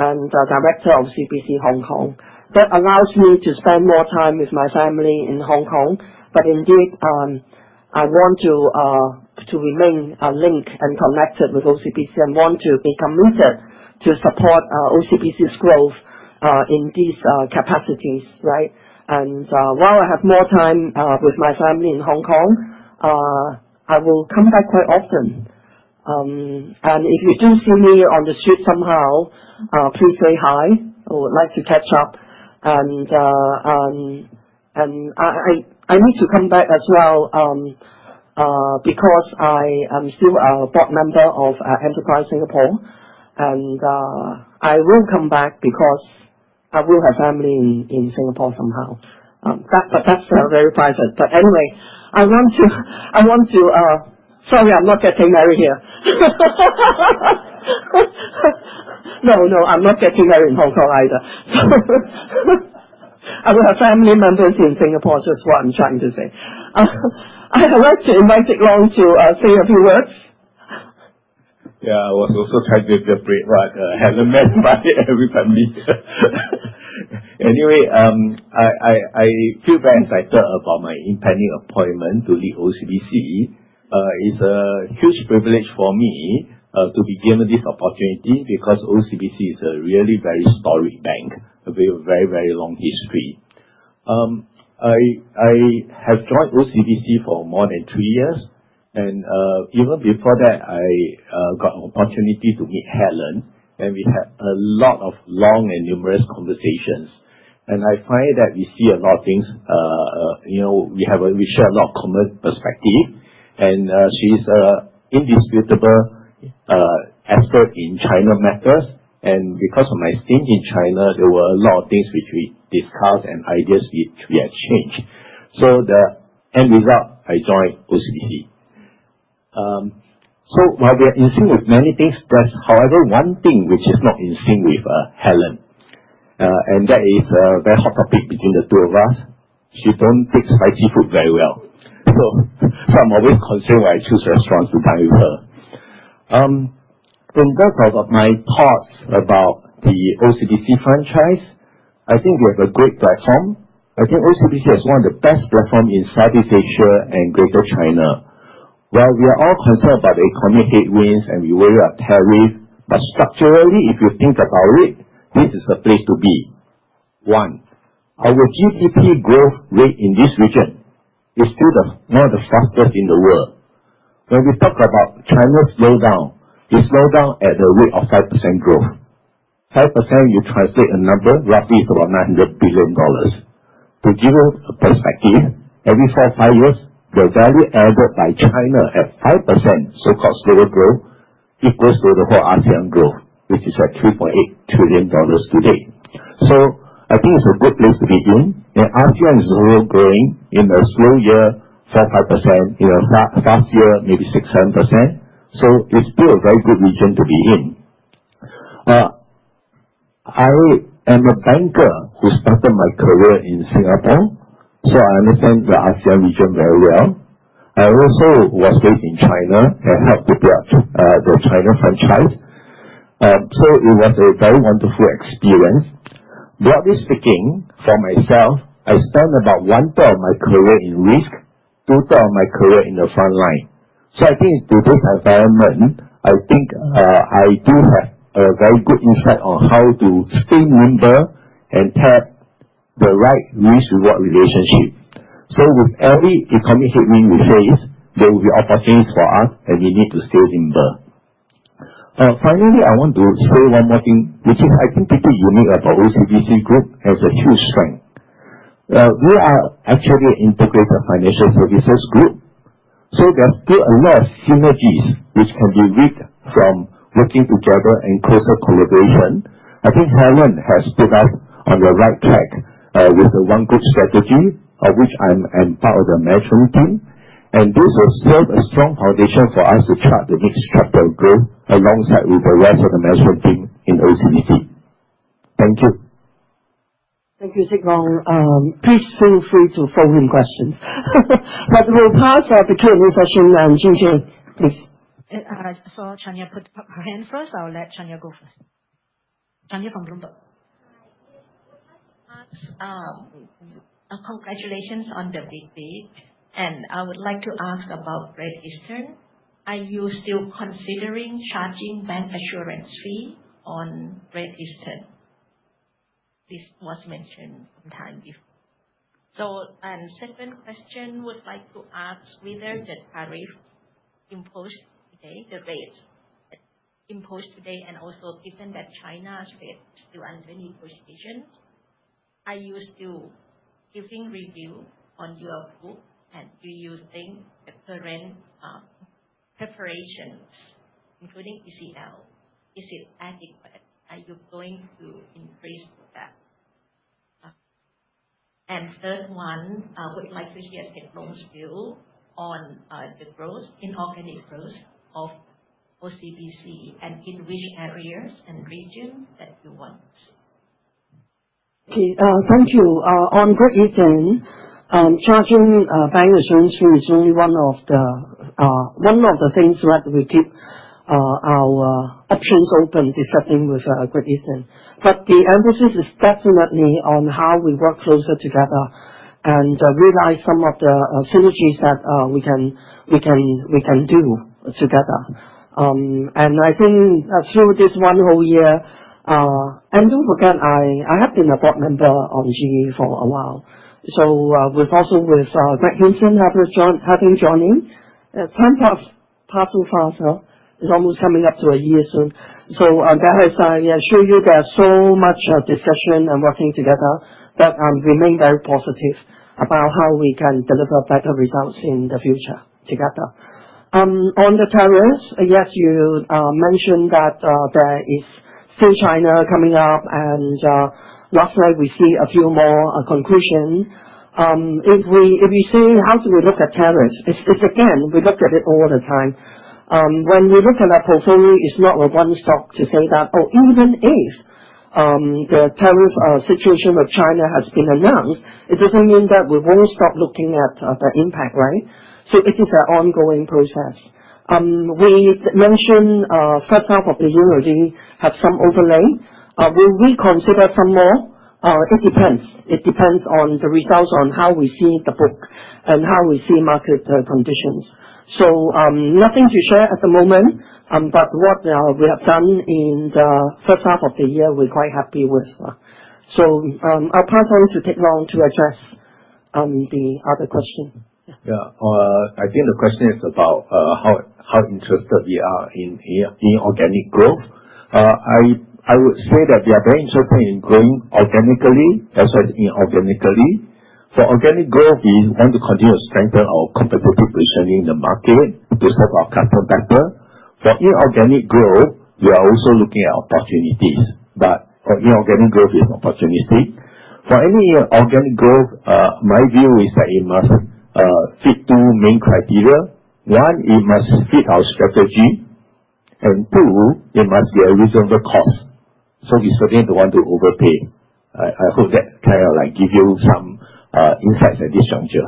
and director of OCBC Hong Kong. That allows me to spend more time with my family in Hong Kong. But indeed, I want to remain linked and connected with OCBC and want to be committed to support OCBC's growth in these capacities, right? And while I have more time with my family in Hong Kong, I will come back quite often. And if you do see me on the street somehow, please say hi. I would like to catch up. And I need to come back as well because I am still a board member of Enterprise Singapore. And I will come back because I will have family in Singapore somehow. But that's very private. But anyway, I want to, sorry, I'm not getting married here. No, no, I'm not getting married in Hong Kong either. I will have family members in Singapore, just what I'm trying to say. I'd like to invite Teck Long to say a few words. Yeah, I was also trying to interpret what Helen meant by every family. Anyway, I feel very excited about my impending appointment to lead OCBC. It's a huge privilege for me to be given this opportunity because OCBC is a really very storied bank with a very, very long history. I have joined OCBC for more than three years. And even before that, I got an opportunity to meet Helen, and we had a lot of long and numerous conversations. And I find that we see a lot of things. We share a lot of common perspective, and she's an indisputable expert in China matters. And because of my stint in China, there were a lot of things which we discussed and ideas which we exchanged. So the end result, I joined OCBC. While we are in sync with many things, there's however one thing which is not in sync with Helen, and that is a very hot topic between the two of us. She doesn't pick spicy food very well. So I'm always concerned when I choose restaurants to dine with her. In terms of my thoughts about the OCBC franchise, I think we have a great platform. I think OCBC has one of the best platforms in Southeast Asia and Greater China. While we are all concerned about the economic headwinds and we worry about tariffs, but structurally, if you think about it, this is the place to be. One, our GDP growth rate in this region is still one of the fastest in the world. When we talk about China's slowdown, it's slowed down at the rate of 5% growth. 5%, you translate a number, roughly it's about $900 billion. To give you a perspective, every four or five years, the value added by China at 5%, so-called slow growth, equals to the whole ASEAN growth, which is at $3.8 trillion today. So I think it's a good place to be in. And ASEAN is slow growing in a slow year, 4%-5%, in a fast year, maybe 6%-7%. So it's still a very good region to be in. I am a banker who started my career in Singapore, so I understand the ASEAN region very well. I also was based in China and helped to build the China franchise. So it was a very wonderful experience. Broadly speaking, for myself, I spent about one-third of my career in risk, two-thirds of my career in the front line. I think in today's environment, I think I do have a very good insight on how to stay nimble and tap the right risk-reward relationship. With every economic headwind we face, there will be opportunities for us, and we need to stay nimble. Finally, I want to say one more thing, which is I think pretty unique about OCBC Group as a huge strength. We are actually an integrated financial services group, so there's still a lot of synergies which can be reaped from working together and closer collaboration. I think Helen has put us on the right track with the one-group strategy, of which I'm part of the management team. This will serve a strong foundation for us to chart the next chapter of growth alongside with the rest of the management team in OCBC. Thank you. Thank you, Teck Long. Please feel free to follow in questions. But we'll pass our Q&A session to [Jeijei], please. So Chanya put her hand first. I'll let Chanya go first. Chanya from Bloomberg. Hi. I would like to ask congratulations on the big day. And I would like to ask about Great Eastern. Are you still considering charging bancassurance fee on Great Eastern? This was mentioned some time before. So second question, would like to ask whether the tariff imposed today, the rate imposed today, and also given that China's rate is still under negotiations, are you still giving review on your book? And do you think the current preparations, including ECL, is it adequate? Are you going to increase that? And third one, would like to hear Teck Long's view on the growth, inorganic growth of OCBC, and in which areas and regions that you want to see. Okay Thank you. On Great Eastern, charging bancassurance fee is only one of the things that will keep our options open this evening with Great Eastern. But the emphasis is definitely on how we work closer together and realize some of the synergies that we can do together. I think through this one whole year, and don't forget, I have been a board member on GE for a while. So also with Greg Hingston having joined, time passing faster. It's almost coming up to a year soon. So that has assured you there's so much discussion and working together that remain very positive about how we can deliver better results in the future together. On the tariffs, yes, you mentioned that there is still China coming up, and last night we see a few more conclusions. If you say, how do we look at tariffs? It's again, we look at it all the time. When we look at our portfolio, it's not a one-stop to say that, oh, even if the tariff situation with China has been announced, it doesn't mean that we won't stop looking at the impact, right? So it is an ongoing process. We mentioned first half of the year already have some overlay. Will we consider some more? It depends. It depends on the results, on how we see the book, and how we see market conditions. So nothing to share at the moment, but what we have done in the first half of the year, we're quite happy with. So I'll pass on to Teck Long to address the other question. Yeah. I think the question is about how interested we are in inorganic growth. I would say that we are very interested in growing organically as well as inorganically. For organic growth, we want to continue to strengthen our competitive positioning in the market to serve our customers better. For inorganic growth, we are also looking at opportunities. But inorganic growth is opportunistic. For any organic growth, my view is that it must fit two main criteria. One, it must fit our strategy, and two, it must be a reasonable cost. So we certainly don't want to overpay. I hope that kind of gives you some insights at this juncture.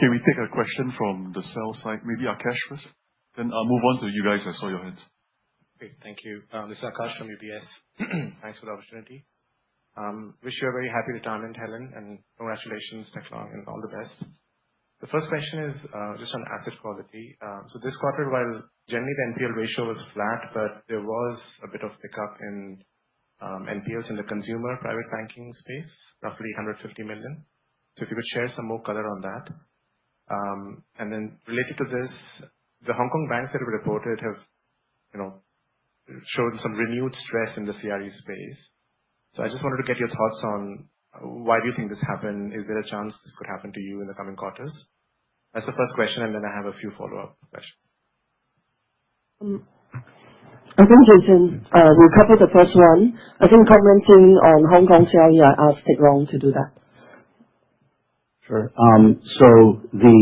Can we take a question from the sell-side, maybe Aakash first? Then I'll move on to you guys. I saw your hands. Great. Thank you. This is Aakash from UBS. Thanks for the opportunity. Wish you a very happy retirement, Helen, and congratulations, Teck Long, and all the best. The first question is just on asset quality. This quarter, while generally the NPL ratio was flat, but there was a bit of pickup in NPLs in the consumer private banking space, roughly 150 million. So if you could share some more color on that. And then related to this, the Hong Kong banks that have reported have shown some renewed stress in the CRE space. So I just wanted to get your thoughts on why do you think this happened? Is there a chance this could happen to you in the coming quarters? That's the first question, and then I have a few follow-up questions. I think Jason, we'll cover the first one. I think commenting on Hong Kong CRE, I asked Teck Long to do that. Sure. So the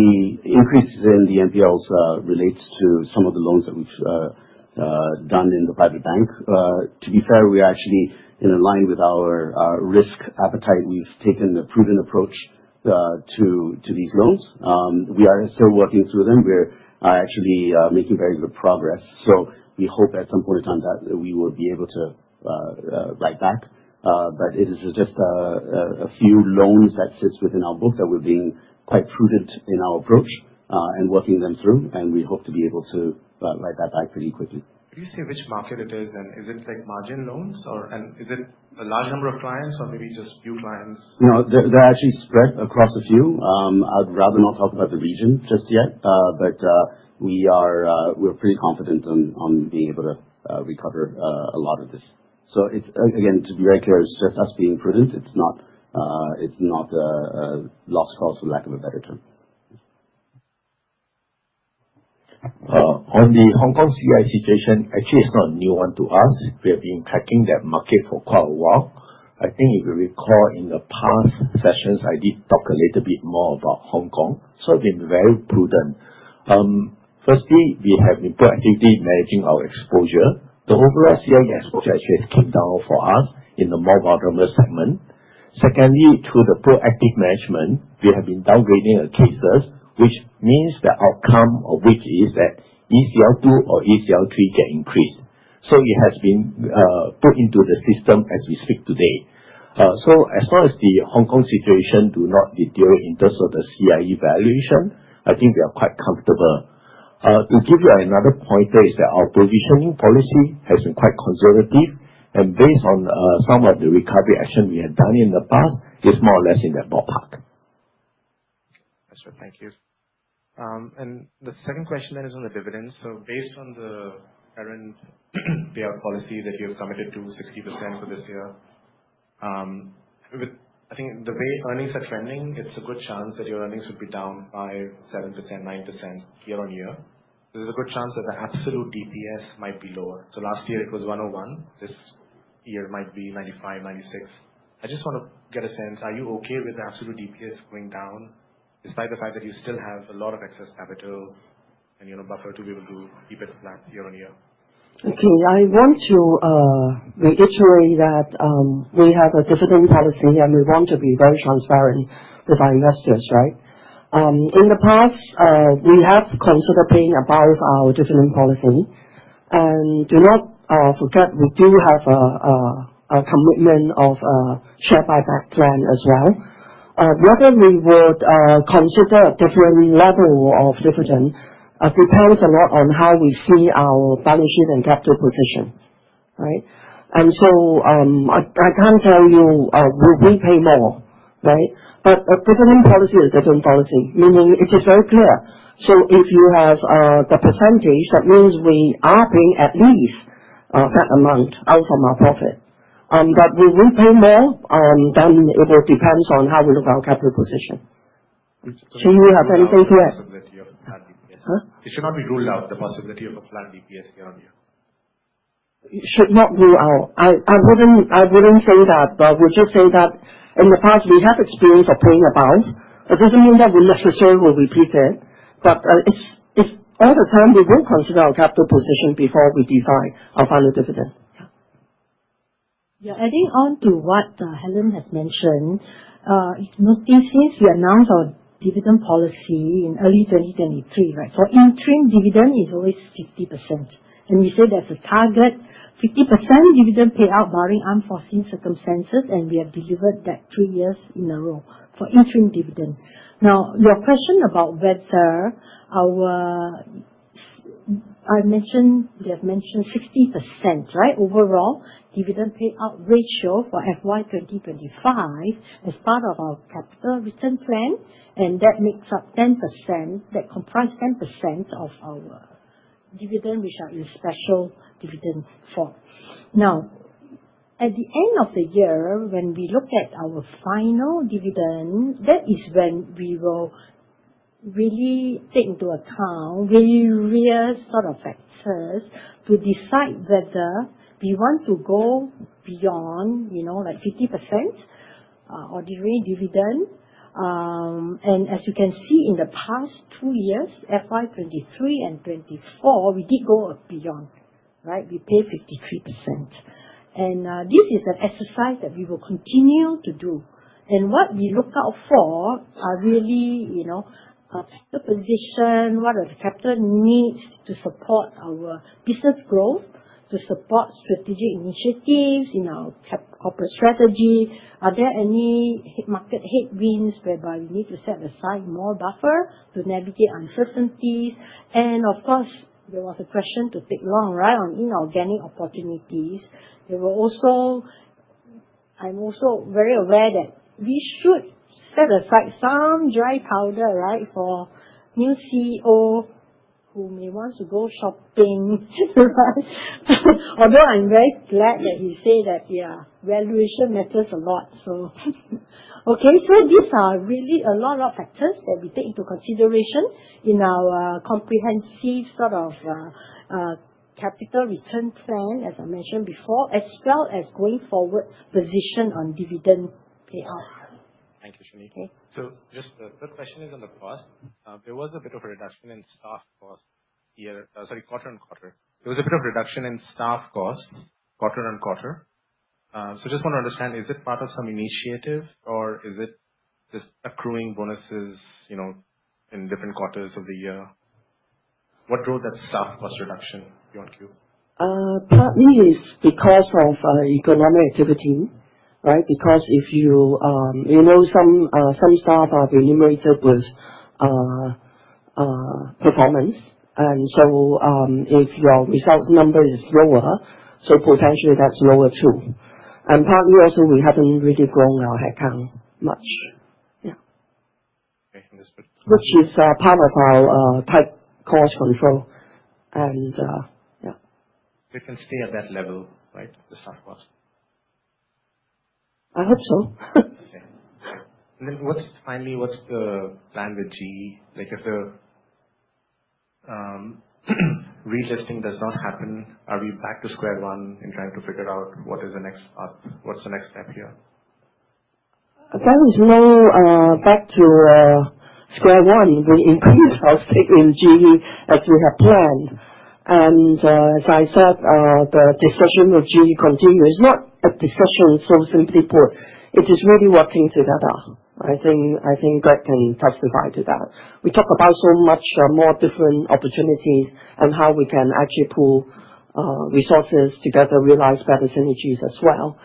increase in the NPLs relates to some of the loans that we've done in the private bank. To be fair, we're actually in alignment with our risk appetite. We've taken a prudent approach to these loans. We are still working through them. We're actually making very good progress. So we hope at some point in time that we will be able to write back. But it is just a few loans that sit within our book that we're being quite prudent in our approach and working them through. And we hope to be able to write that back pretty quickly. Could you say which market it is? And is it margin loans? And is it a large number of clients or maybe just few clients? No, they're actually spread across a few. I'd rather not talk about the region just yet. But we're pretty confident on being able to recover a lot of this. So again, to be very clear, it's just us being prudent. It's not a lost cause for lack of a better term. On the Hong Kong CRE situation, actually, it's not a new one to us. We have been tracking that market for quite a while. I think if you recall in the past sessions, I did talk a little bit more about Hong Kong. So we've been very prudent. Firstly, we have been proactively managing our exposure. The overall CRE exposure actually has come down for us in the more vulnerable segment. Secondly, through the proactive management, we have been downgrading cases, which means the outcome of which is that ECL2 or ECL3 get increased. So it has been put into the system as we speak today. So as far as the Hong Kong situation does not deteriorate in terms of the CRE valuation, I think we are quite comfortable. To give you another pointer is that our positioning policy has been quite conservative. And based on some of the recovery action we have done in the past, it's more or less in that ballpark. Excellent. Thank you. And the second question then is on the dividends. So based on the current payout policy that you have committed to 60% for this year, I think the way earnings are trending, it's a good chance that your earnings would be down by 7%-9% year on year. There's a good chance that the absolute DPS might be lower. So last year it was 101. This year might be 95-96. I just want to get a sense, are you okay with the absolute DPS going down despite the fact that you still have a lot of excess capital and buffer to be able to keep it flat year on year? Okay. I want to reiterate that we have a dividend policy, and we want to be very transparent with our investors, right? In the past, we have considered paying above our dividend policy, and do not forget, we do have a commitment of a share buyback plan as well. Whether we would consider a different level of dividend depends a lot on how we see our balance sheet and capital position, right? And so I can't tell you will we pay more, right? But a dividend policy is a dividend policy, meaning it is very clear. So if you have the percentage, that means we are paying at least that amount out from our profit, but will we pay more? Then it will depend on how we look at our capital position, so you have anything to add? The possibility of a flat DPS. It should not be ruled out, the possibility of a flat DPS year on year. It should not rule out. I wouldn't say that, but I would just say that in the past, we have experience of paying above. It doesn't mean that we necessarily will repeat it. But all the time, we will consider our capital position before we decide our final dividend. Yeah. Adding on to what Helen has mentioned, since we announced our dividend policy in early 2023, right? So interim dividend is always 50%. And we say there's a target, 50% dividend payout barring unforeseen circumstances, and we have delivered that three years in a row for interim dividend. Now, your question about whether our I mentioned we have mentioned 60%, right? Overall dividend payout ratio for FY 2025 as part of our capital return plan, and that makes up 10%, that comprises 10% of our dividend, which are in special dividend form. Now, at the end of the year, when we look at our final dividend, that is when we will really take into account various sort of factors to decide whether we want to go beyond like 50% ordinary dividend. And as you can see in the past two years, FY 2023 and 2024, we did go beyond, right? We paid 53%. And this is an exercise that we will continue to do. And what we look out for are really the position, what are the capital needs to support our business growth, to support strategic initiatives in our corporate strategy. Are there any market headwinds whereby we need to set aside more buffer to navigate uncertainties? Of course, there was a question to Teck Long, right, on inorganic opportunities. I'm also very aware that we should set aside some dry powder, right, for new CEO who may want to go shopping, right? Although I'm very glad that you say that, yeah, valuation matters a lot. So okay, these are really a lot of factors that we take into consideration in our comprehensive sort of capital return plan, as I mentioned before, as well as going forward position on dividend payout. Thank you, Chin Yee. Just the third question is on the cost. There was a bit of a reduction in staff costs here, sorry, quarter on quarter. I just want to understand, is it part of some initiative, or is it just accruing bonuses in different quarters of the year? What drove that staff cost reduction? You want to? Partly it's because of economic activity, right? Because if you know some staff are remunerated with performance, and so if your result number is lower, so potentially that's lower too. Partly also we haven't really grown our headcount much. Yeah. Okay. And this, which is part of our tight cost control. Yeah. You can stay at that level, right, the staff cost? I hope so. Okay. Then finally, what's the plan with GE? If the relisting does not happen, are we back to square one in trying to figure out what is the next step? What's the next step here? There is no back to square one. We increase our stake in GE as we have planned. As I said, the discussion with GE continues. Not a discussion so simply put. It is really working together. I think Greg can testify to that. We talk about so much more different opportunities and how we can actually pull resources together, realize better synergies as well.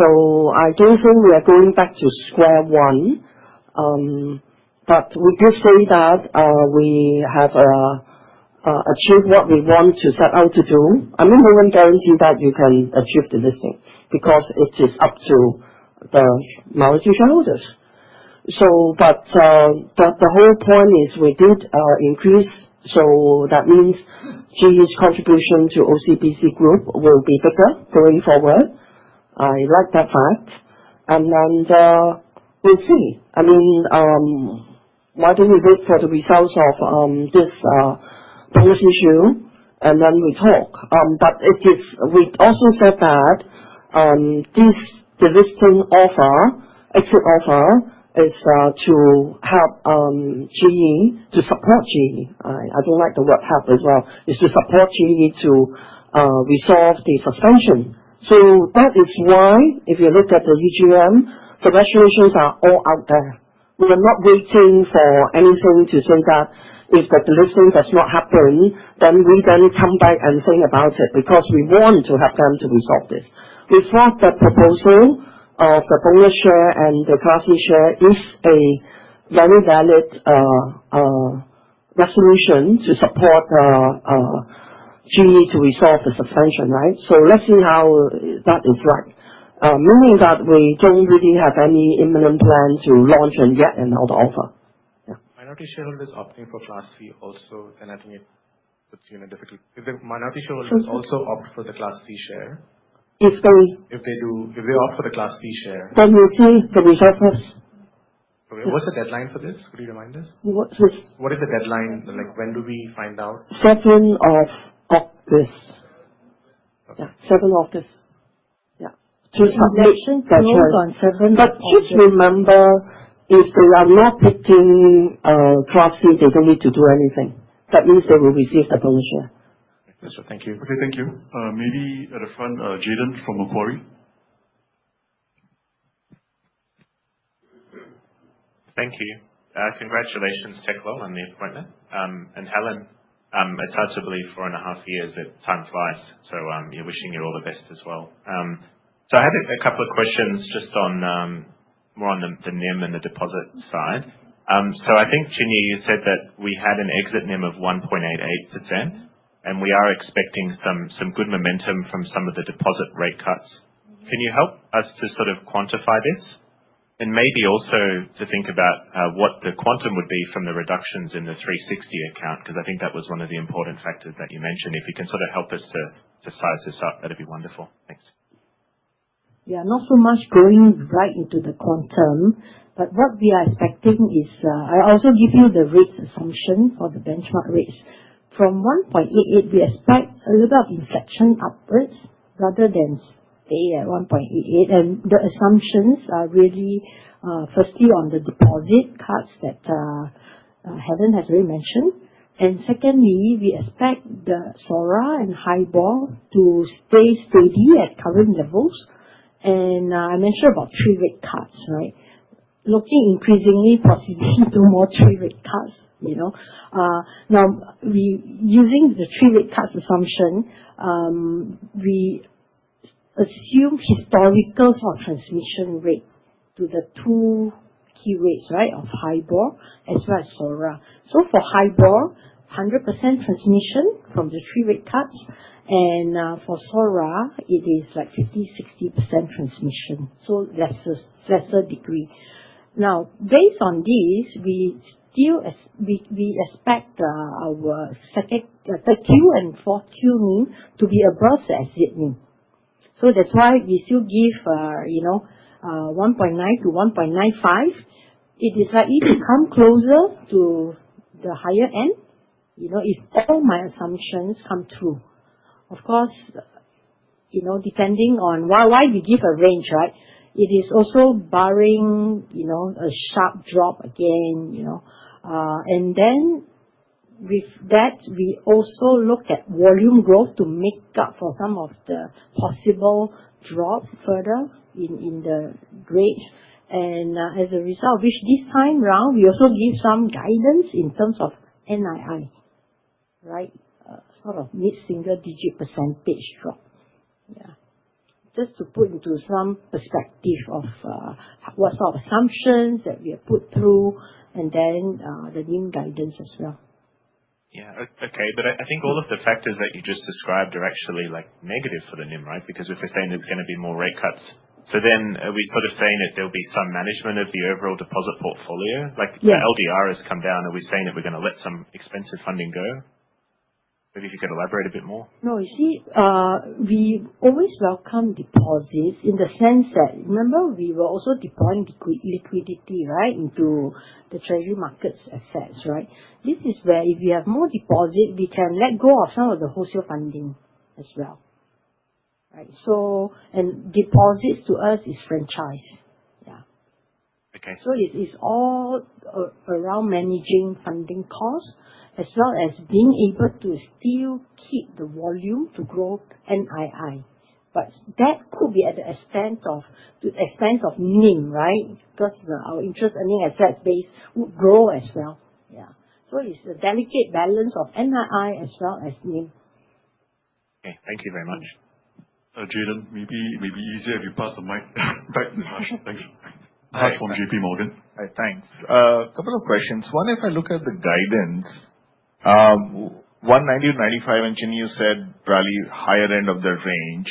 So I don't think we are going back to square one. But we do say that we have achieved what we want to set out to do. I mean, we won't guarantee that you can achieve the listing because it is up to the Mauritius shareholders. But the whole point is we did increase. So that means GE's contribution to OCBC Group will be bigger going forward. I like that fact. And then we'll see. I mean, why don't we wait for the results of this policy issue and then we talk. But we also said that this delisting offer, exit offer, is to help GE, to support GE. I don't like the word help as well. It's to support GE to resolve the suspension. So that is why if you look at the EGM, the resolutions are all out there. We are not waiting for anything to say that if the delisting does not happen, then we then come back and think about it because we want to help them to resolve this. We thought the proposal of the bonus share and the class C share is a very valid resolution to support GE to resolve the suspension, right? So let's see how that is like. Meaning that we don't really have any imminent plan to launch a yet another offer. Yeah. Minority shareholders opting for class C also, then I think it puts you in a difficult. If the minority shareholders also opt for the class C share. If they do. If they opt for the class C share. Then we'll see the results. Okay. What's the deadline for this? Could you remind us? What is the deadline? When do we find out? 7th of August. Yeah. 7th of August. Yeah. To submission. Hold on. 7th of August. But just remember, if they are not picking class C, they don't need to do anything. That means they will receive the bonus share. Excellent. Thank you. Okay. Thank you. Maybe at the front, Jayden from Macquarie. Thank you. Congratulations, Teck Long, on the appointment. And Helen, it's hard to believe four and a half years, that time flies. So wishing you all the best as well. I had a couple of questions just more on the NIM and the deposit side. I think, Sunny, you said that we had an exit NIM of 1.88%, and we are expecting some good momentum from some of the deposit rate cuts. Can you help us to sort of quantify this? And maybe also to think about what the quantum would be from the reductions in the 360 Account, because I think that was one of the important factors that you mentioned. If you can sort of help us to size this up, that would be wonderful. Thanks. Yeah. Not so much going right into the quantum, but what we are expecting is. I also give you the rates assumption for the benchmark rates. From 1.88, we expect a little bit of inflection upwards rather than stay at 1.88. And the assumptions are really, firstly, on the deposit rates that Helen has already mentioned. And secondly, we expect the SORA and HIBOR to stay steady at current levels. And I mentioned about three rate cuts, right? Looking increasingly possibly to more three rate cuts. Now, using the three rate cuts assumption, we assume historical sort of transmission rate to the two key rates, right, of HIBOR as well as SORA. So for HIBOR, 100% transmission from the three rate cuts. And for SORA, it is like 50%-60% transmission. So lesser degree. Now, based on this, we expect our third Q and fourth Q NIM to be above the exit NIM. So that's why we still give 1.9%-1.95%. It is likely to come closer to the higher end if all my assumptions come true. Of course, depending on why we give a range, right? It is also barring a sharp drop again. And then with that, we also look at volume growth to make up for some of the possible drop further in the grade. And as a result of which, this time round, we also give some guidance in terms of NII, right? Sort of mid-single digit percentage drop. Yeah. Just to put into some perspective of what sort of assumptions that we have put through and then the NIM guidance as well. Yeah. Okay. But I think all of the factors that you just described are actually negative for the NIM, right? Because if we're saying there's going to be more rate cuts, so then are we sort of saying that there'll be some management of the overall deposit portfolio? Like the LDR has come down, are we saying that we're going to let some expensive funding go? Maybe if you could elaborate a bit more. No, you see, we always welcome deposits in the sense that, remember, we were also deploying liquidity, right, into the treasury markets effects, right? This is where if we have more deposit, we can let go of some of the wholesale funding as well. Right? And deposits to us is franchise. Yeah. So it's all around managing funding costs as well as being able to still keep the volume to grow NII. But that could be at the expense of NIM, right? Because our interest earning assets base would grow as well. Yeah. So it's a delicate balance of NII as well as NIM. Okay. Thank you very much. Jayden, maybe easier if you pass the mic back to us. Thanks. That's from JPMorgan. Thanks. A couple of questions. One, if I look at the guidance, 1.90-1.95, and Sunny you said probably higher end of the range.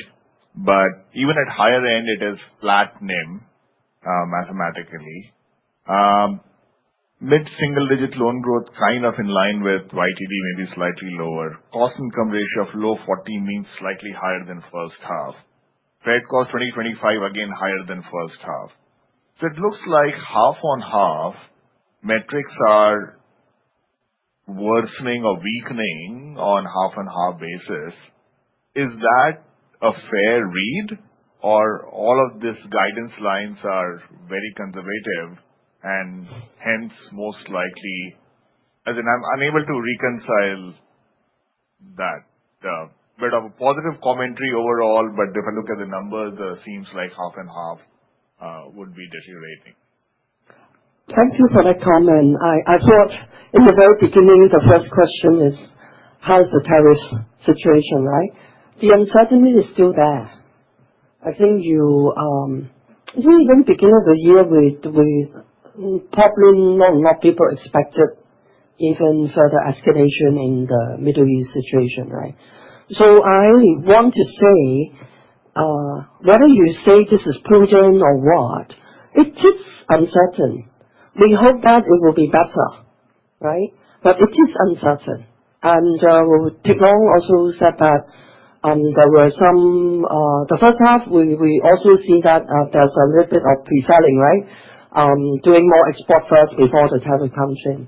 But even at higher end, it is flat NIM mathematically. Mid-single digit loan growth kind of in line with YTD, maybe slightly lower. Cost-income ratio of low 40 means slightly higher than first half. Credit cost 2025, again, higher than first half. So it looks like half on half metrics are worsening or weakening on half on half basis. Is that a fair read? Or all of these guidance lines are very conservative and hence most likely as in I'm unable to reconcile that. But of a positive commentary overall, but if I look at the numbers, it seems like half on half would be deteriorating. Thank you for that comment. I thought in the very beginning, the first question is, how's the tariff situation, right? The uncertainty is still there. I think you didn't begin of the year with probably not people expected even further escalation in the Middle East situation, right? So I want to say, whether you say this is Putin or what, it is uncertain. We hope that it will be better, right, but it is uncertain. Teck Long also said that there were some in the first half. We also see that there's a little bit of pre-selling, right, doing more export first before the tariff comes in.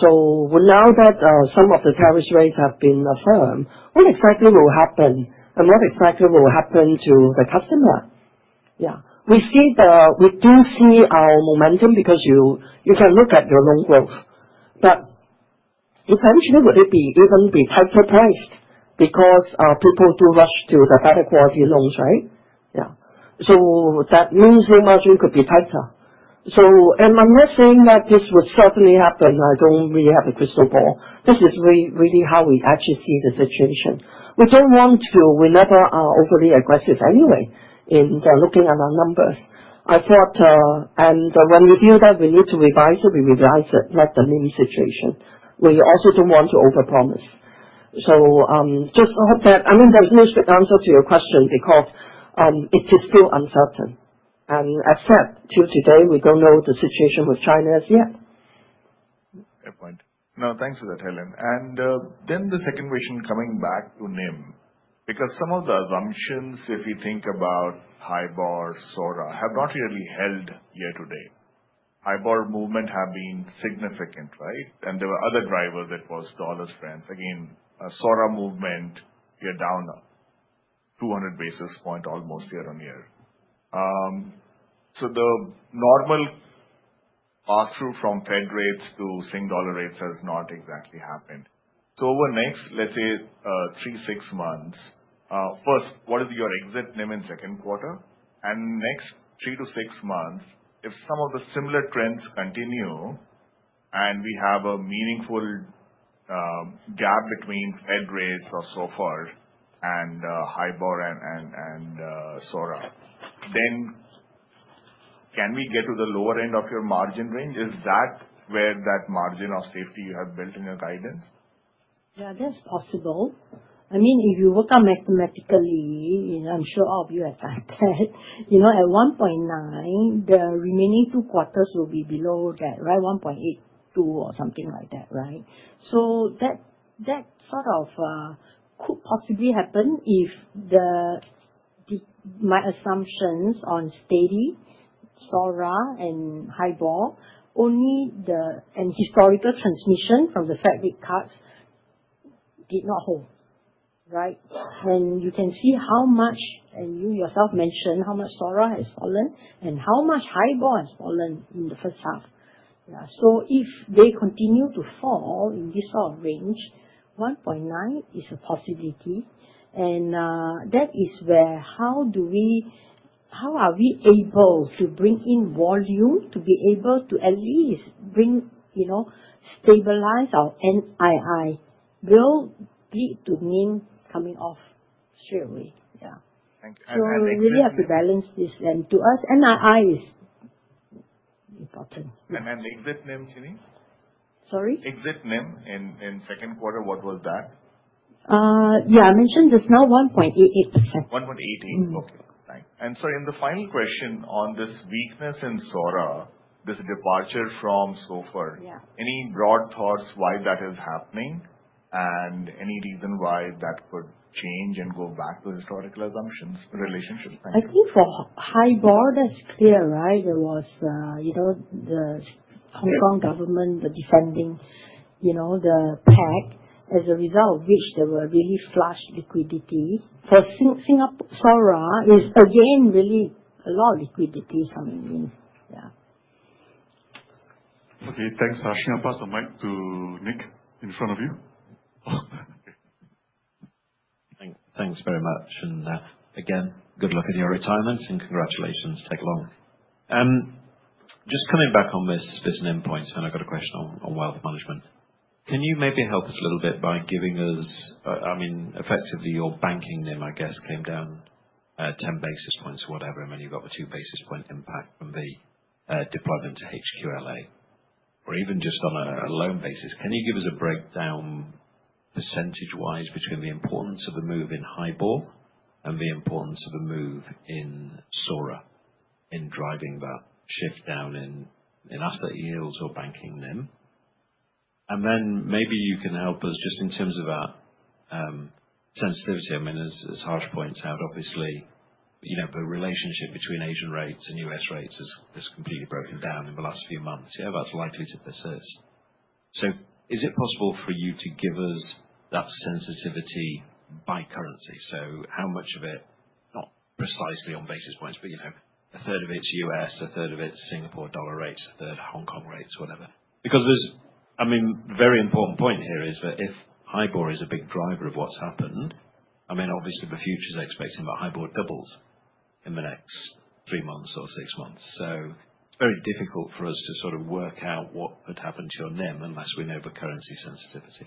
So now that some of the tariff rates have been affirmed, what exactly will happen? What exactly will happen to the customer? Yeah. We do see our momentum because you can look at your loan growth. But eventually, would it even be tighter priced because people do rush to the better quality loans, right? Yeah. So that means loan margin could be tighter. So am I not saying that this would certainly happen? I don't really have a crystal ball. This is really how we actually see the situation. We don't want to. We never are overly aggressive anyway in looking at our numbers. I thought, and when we feel that we need to revise it, we revise it, not the NIM situation. We also don't want to overpromise. So just hope that, I mean, there's no straight answer to your question because it is still uncertain, and as said, till today, we don't know the situation with China as yet. Fair point. No, thanks for that, Helen. And then the second question coming back to NIM, because some of the assumptions, if you think about HIBOR, SORA, have not really held yet today. HIBOR movement have been significant, right? And there were other drivers. It was dollar strength. Again, SORA movement, you're down 200 basis points almost year on year. So the normal pass-through from Fed rates to Singapore dollar rates has not exactly happened. So, over the next, let's say, three to six months, first, what is your exit NIM in second quarter? And next, three to six months, if some of the similar trends continue and we have a meaningful gap between Fed rates so far and HIBOR and SORA, then can we get to the lower end of your margin range? Is that where that margin of safety you have built in your guidance? Yeah, that's possible. I mean, if you look at it mathematically, I'm sure all of you have done that. At 1.9, the remaining two quarters will be below that, right? 1.82 or something like that, right? So that sort of could possibly happen if my assumptions on steady SORA and HIBOR, and only the historical transmission from the Fed rate cuts, did not hold, right? You can see how much, and you yourself mentioned how much SORA has fallen and how much HIBOR has fallen in the first half. Yeah. If they continue to fall in this sort of range, 1.9 is a possibility. That is where, how are we able to bring in volume to be able to at least stabilize our NII, will lead to NIM coming off straight away. Yeah. Thank you. We really have to balance this then to us. NII is important. Exit NIM, Chin Yee? Sorry? Exit NIM in second quarter, what was that? Yeah. I mentioned it's now 1.88%. 1.88. Okay. Thanks. Sorry, in the final question on this weakness in SORA, this departure from so far, any broad thoughts why that is happening and any reason why that could change and go back to historical assumptions relationship? Thank you. I think for HIBOR that's clear, right? There was the Hong Kong government defending the peg, as a result of which there were really flush liquidity. For Singapore, SORA is again really a lot of liquidity coming in. Yeah. Okay. Thanks. I'll pass the mic to Nick in front of you. Thanks very much. And again, good luck with your retirement and congratulations, Teck Long. Just coming back on this NIM point, Helen, I've got a question on wealth management. Can you maybe help us a little bit by giving us, I mean, effectively your banking NIM, I guess, came down 10 basis points or whatever, and then you've got the two basis points impact from the deployment to HQLA. Or even just on a loan basis, can you give us a breakdown percentage-wise between the importance of the move in HIBOR and the importance of the move in SORA in driving that shift down in asset yields or banking NIM? And then maybe you can help us just in terms of our sensitivity. I mean, as Harsh points out, obviously, the relationship between Asian rates and US rates has completely broken down in the last few months. Yeah, that's likely to persist. So is it possible for you to give us that sensitivity by currency? So how much of it, not precisely on basis points, but a third of it's US, a third of it's Singapore dollar rates, a third Hong Kong rates, whatever? Because there's, I mean, the very important point here is that if HIBOR is a big driver of what's happened, I mean, obviously, the future's expecting that HIBOR doubles in the next three months or six months. So it's very difficult for us to sort of work out what would happen to your NIM unless we know the currency sensitivity.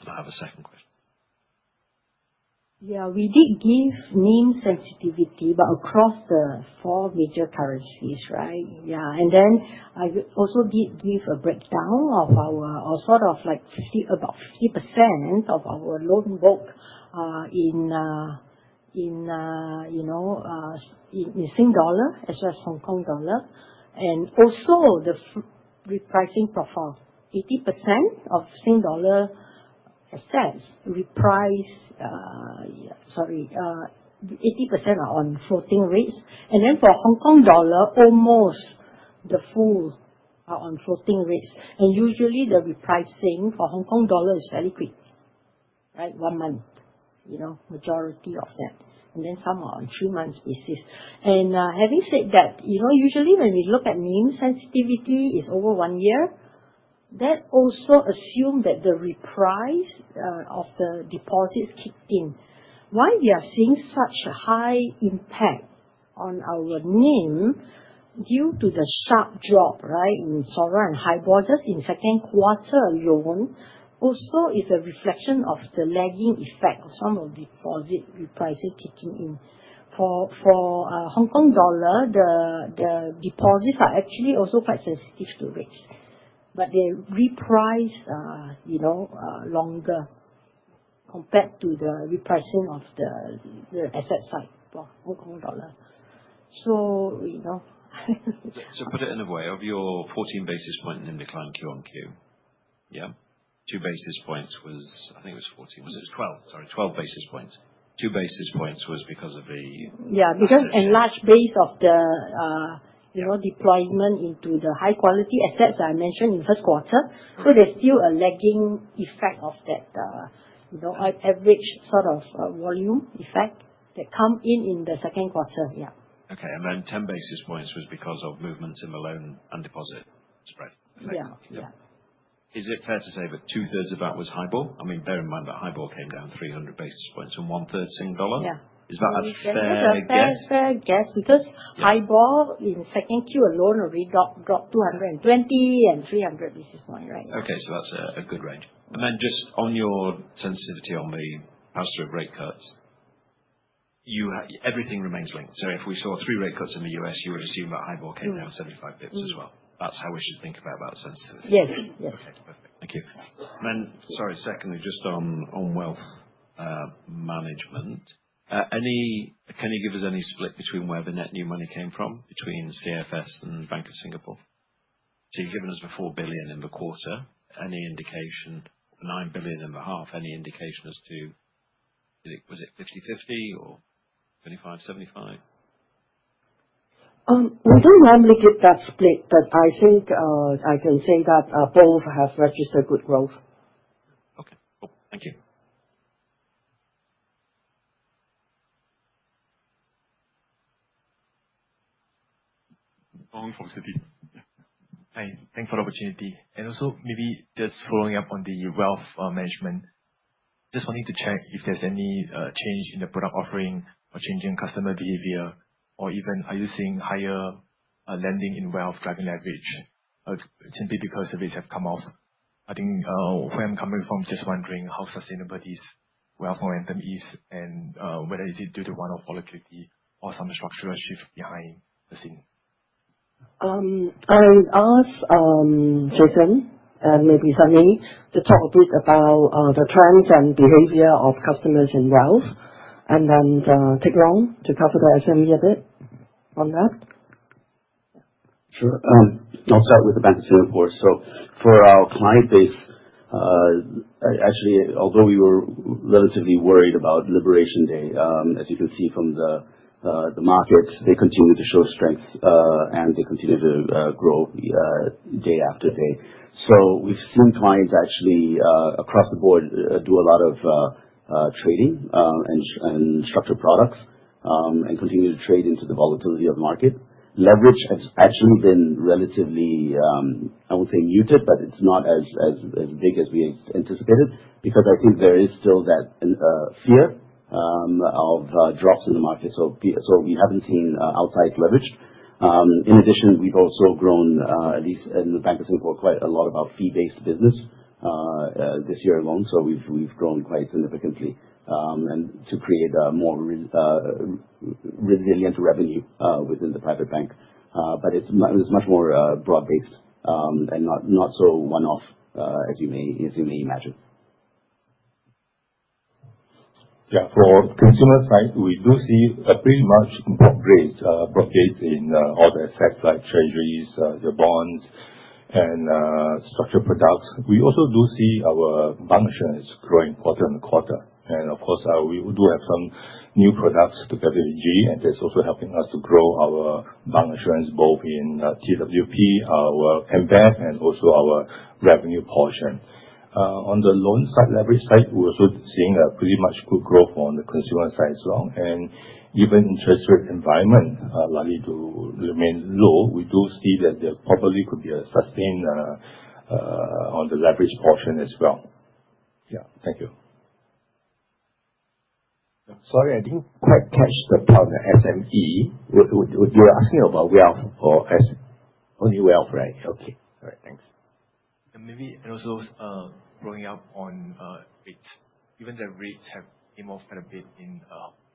And I have a second question. Yeah. We did give NIM sensitivity, but across the four major currencies, right? Yeah. And then I also did give a breakdown of our sort of like about 50% of our loan book in Singapore dollar as well as Hong Kong dollar. And also the repricing profile, 80% of Singapore dollar assets reprice, sorry, 80% are on floating rates. And then for Hong Kong dollar, almost the full are on floating rates. And usually, the repricing for Hong Kong dollar is fairly quick, right? One month, majority of that. And then some are on three-month basis. And having said that, usually when we look at NIM sensitivity is over one year, that also assumes that the repricing of the deposits kicked in. Why we are seeing such a high impact on our NIM due to the sharp drop, right, in SORA and HIBOR just in second quarter alone also is a reflection of the lagging effect of some of the deposit repricing kicking in. For Hong Kong dollar, the deposits are actually also quite sensitive to rates. But they reprice longer compared to the repricing of the asset side for Hong Kong dollar. So put it in a way of your 14 basis point NIM decline Q on Q. Yeah. Two basis points was, I think it was 14, was it? It was 12, sorry. 12 basis points. Two basis points was because of the. Yeah because of the enlarged base of the deployment into the high-quality assets that I mentioned in the first quarter. So there's still a lagging effect of that average sort of volume effect that come in in the second quarter. Yeah. Okay. And then 10 basis points was because of movements in the loan and deposit spread effect. Yeah. Is it fair to say that two-thirds of that was HIBOR? I mean, bear in mind that HIBOR came down 300 basis points and one-third Sing dollar. Is that a fair guess? That's a fair guess because HIBOR in second Q alone already dropped 220 and 300 basis points, right? Okay. So that's a good range. And then just on your sensitivity on the pass-through rate cuts, everything remains linked. So if we saw three rate cuts in the U.S., you would assume that HIBOR came down 75 basis points as well. That's how we should think about that sensitivity. Yes. Yes. Okay. Perfect. Thank you. And then, sorry, secondly, just on wealth management, can you give us any split between where the net new money came from between CFS and Bank of Singapore? So you've given us the 4 billion in the quarter. Any indication, 9 billion in the half, any indication as to was it 50/50 or 25/75? We don't normally get that split, but I think I can say that both have registered good growth. Okay. Cool. Thank you. Thanks for the opportunity. Also maybe just following up on the wealth management, just wanting to check if there's any change in the product offering or changing customer behavior, or even are you seeing higher lending in wealth driving leverage? It can be because the rates have come off. I think where I'm coming from, just wondering how sustainable this wealth momentum is and whether it is due to one-off volatility or some structural shift behind the scenes. I asked Jason and maybe Sunny to talk a bit about the trends and behavior of customers in wealth. And then Teck Long to cover the SME a bit on that. Sure. I'll start with the Bank of Singapore. So for our client base, actually, although we were relatively worried about Liberation Day, as you can see from the markets, they continue to show strength and they continue to grow day after day. So we've seen clients actually across the board do a lot of trading and structured products and continue to trade into the volatility of the market. Leverage has actually been relatively. I won't say muted, but it's not as big as we anticipated because I think there is still that fear of drops in the market. So we haven't seen outside leverage. In addition, we've also grown, at least in the Bank of Singapore, quite a lot about fee-based business this year alone. So we've grown quite significantly to create more resilient revenue within the private bank. But it's much more broad-based and not so one-off as you may imagine. Yeah. For consumer side, we do see a pretty much broad range in all the assets like treasuries, your bonds, and structured products. We also do see our bancassurance growing quarter on quarter. Of course, we do have some new products together with GE, and that's also helping us to grow our bancassurance both in TWP, our embedded, and also our revenue portion. On the loan side, leverage side, we're also seeing a pretty much good growth on the consumer side as well. Given interest rate environment likely to remain low, we do see that there probably could be a sustain on the leverage portion as well. Yeah. Thank you. Sorry, I didn't quite catch the part on the SME. You were asking about wealth or only wealth, right? Okay. All right. Thanks. Also, growing up on rates, even the rates have came off quite a bit in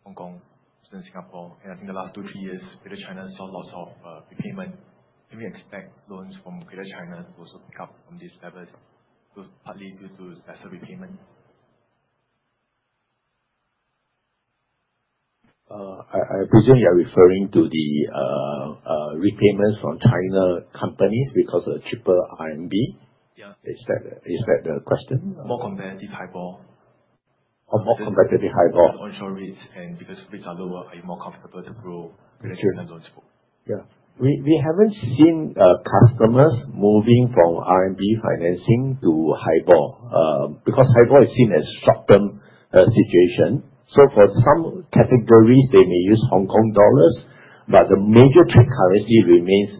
Hong Kong versus Singapore. I think the last two, three years, Greater China saw lots of repayment. Can we expect loans from Greater China to also pick up from these levels partly due to lesser repayment? I presume you're referring to the repayments from China companies because of cheaper RMB? Is that the question? More competitive HIBOR. Or more competitive HIBOR? Onshore rates and because rates are lower, are you more comfortable to grow Greater China loans? Yeah. We haven't seen customers moving from RMB financing to HIBOR because HIBOR is seen as a short-term situation. So for some categories, they may use Hong Kong dollars, but the major trade currency remains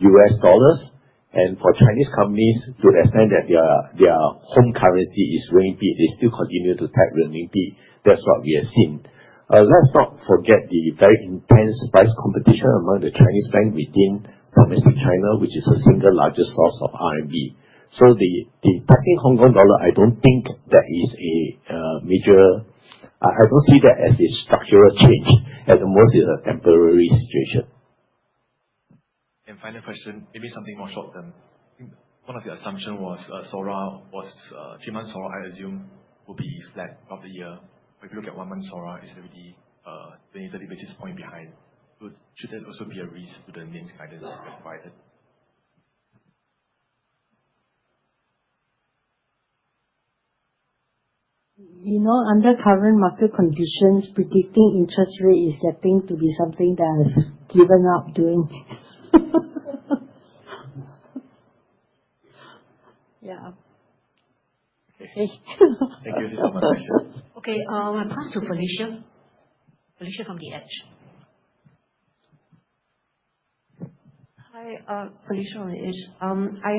U.S. dollars. For Chinese companies, to the extent that their home currency is RMB, they still continue to tap RMB. That's what we have seen. Let's not forget the very intense price competition among the Chinese banks within domestic China, which is the single largest source of RMB. So the tapping Hong Kong dollar, I don't think that is a major. I don't see that as a structural change. At the most, it's a temporary situation. Final question, maybe something more short-term. One of your assumptions was SORA was three-month SORA, I assume, will be flat throughout the year. But if you look at one-month SORA, it's already 20, 30 basis points behind. Should there also be a reason to the NIM's guidance you provided? Under current market conditions, predicting interest rate is getting to be something that I've given up doing. Yeah. Okay. Thank you. This is my question. Okay. I'll pass to Felicia. Felicia from The Edge. Hi. Felicia from The Edge. I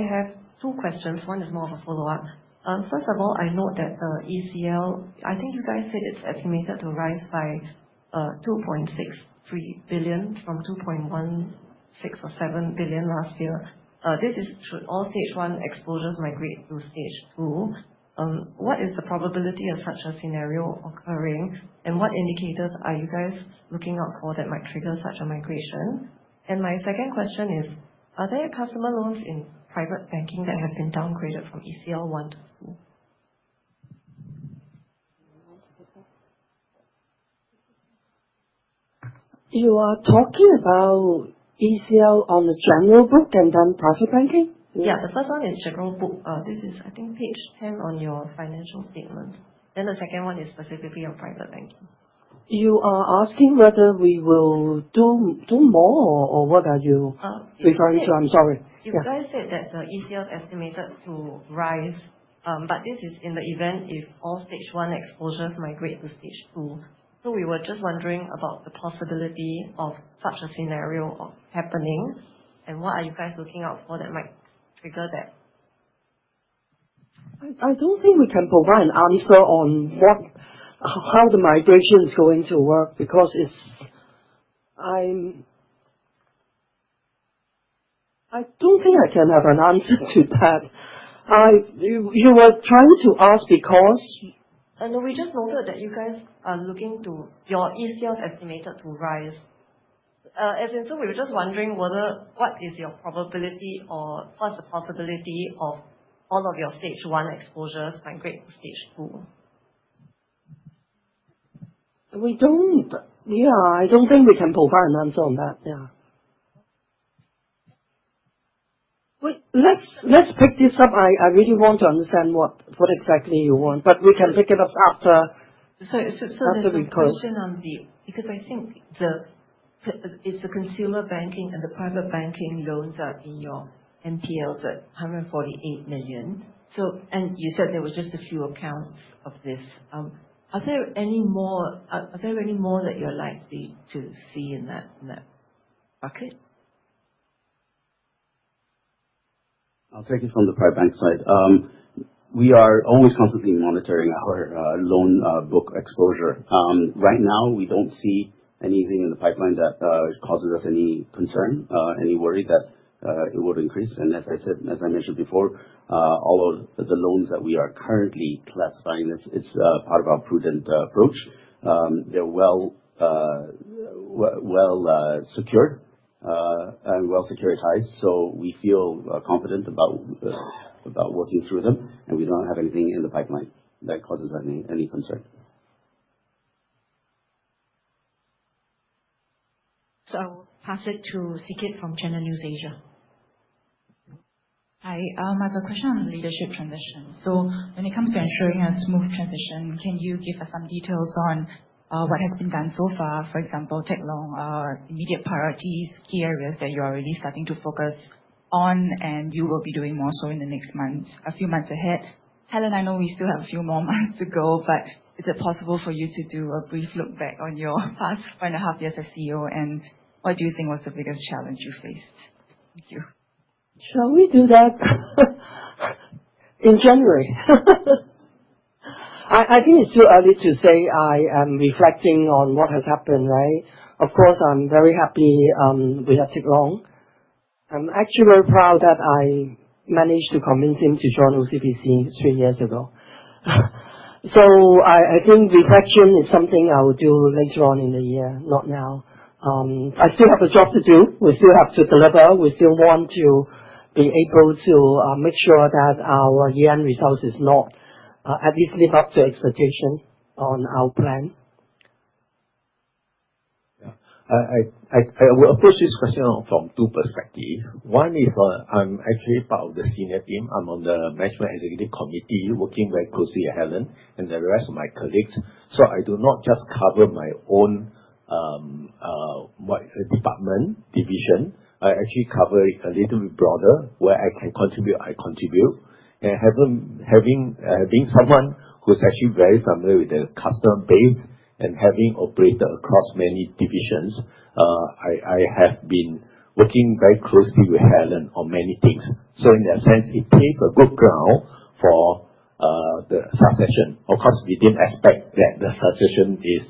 have two questions. One is more of a follow-up. First of all, I note that the ECL, I think you guys said it's estimated to rise by 2.63 billion from 2.16 or 7 billion last year. This is, should all stage one exposures migrate to stage two. What is the probability of such a scenario occurring? And what indicators are you guys looking out for that might trigger such a migration? And my second question is, are there customer loans in private banking that have been downgraded from ECL one to two? You are talking about ECL on the general book and then private banking? Yeah. The first one is general book. This is, I think, page 10 on your financial statement. Then the second one is specifically on private banking. You are asking whether we will do more or what are you referring to? I'm sorry. You guys said that the ECL is estimated to rise, but this is in the event if all stage one exposures migrate to stage two. We were just wondering about the possibility of such a scenario happening. What are you guys looking out for that might trigger that? I don't think we can provide an answer on how the migration is going to work because I don't think I can have an answer to that. You were trying to ask because. We just noted that you guys are looking to your ECL is estimated to rise. As in, we were just wondering what is your probability or what's the possibility of all of your stage one exposures migrating to stage two? Yeah. I don't think we can provide an answer on that. Yeah. Let's pick this up. I really want to understand what exactly you want, but we can pick it up after we close. So it's a question on the because I think it's the consumer banking and the private banking loans are in your NPLs at 148 million. And you said there were just a few accounts of this. Are there any more are there any more that you're likely to see in that bucket? I'll take it from the private bank side. We are always constantly monitoring our loan book exposure. Right now, we don't see anything in the pipeline that causes us any concern, any worry that it would increase. And as I mentioned before, all of the loans that we are currently classifying, it's part of our prudent approach. They're well secured and well securitized. So we feel confident about working through them, and we don't have anything in the pipeline that causes any concern. So I will pass it to Sikit from Channel NewsAsia. Hi. I have a question on leadership transition. So when it comes to ensuring a smooth transition, can you give us some details on what has been done so far? For example, Teck Long, immediate priorities, key areas that you are already starting to focus on, and you will be doing more so in the next months, a few months ahead. Helen, I know we still have a few more months to go, but is it possible for you to do a brief look back on your past four and a half years as CEO, and what do you think was the biggest challenge you faced? Thank you. Shall we do that in January? I think it's too early to say I am reflecting on what has happened, right? Of course, I'm very happy with Teck Long. I'm actually very proud that I managed to convince him to join OCBC three years ago. So I think reflection is something I will do later on in the year, not now. I still have a job to do. We still have to deliver. We still want to be able to make sure that our year-end results is not at least live up to expectation on our plan. Yeah. I will approach this question from two perspectives. One is I'm actually part of the senior team. I'm on the management executive committee working very closely with Helen and the rest of my colleagues. So I do not just cover my own department, division. I actually cover a little bit broader. Where I can contribute, I contribute. Having someone who's actually very familiar with the customer base and having operated across many divisions, I have been working very closely with Helen on many things. In that sense, it paved a good ground for the succession. Of course, we didn't expect that the succession is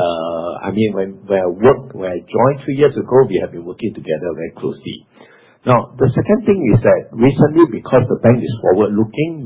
I mean, when I joined three years ago, we have been working together very closely. Now, the second thing is that recently, because the bank is forward-looking,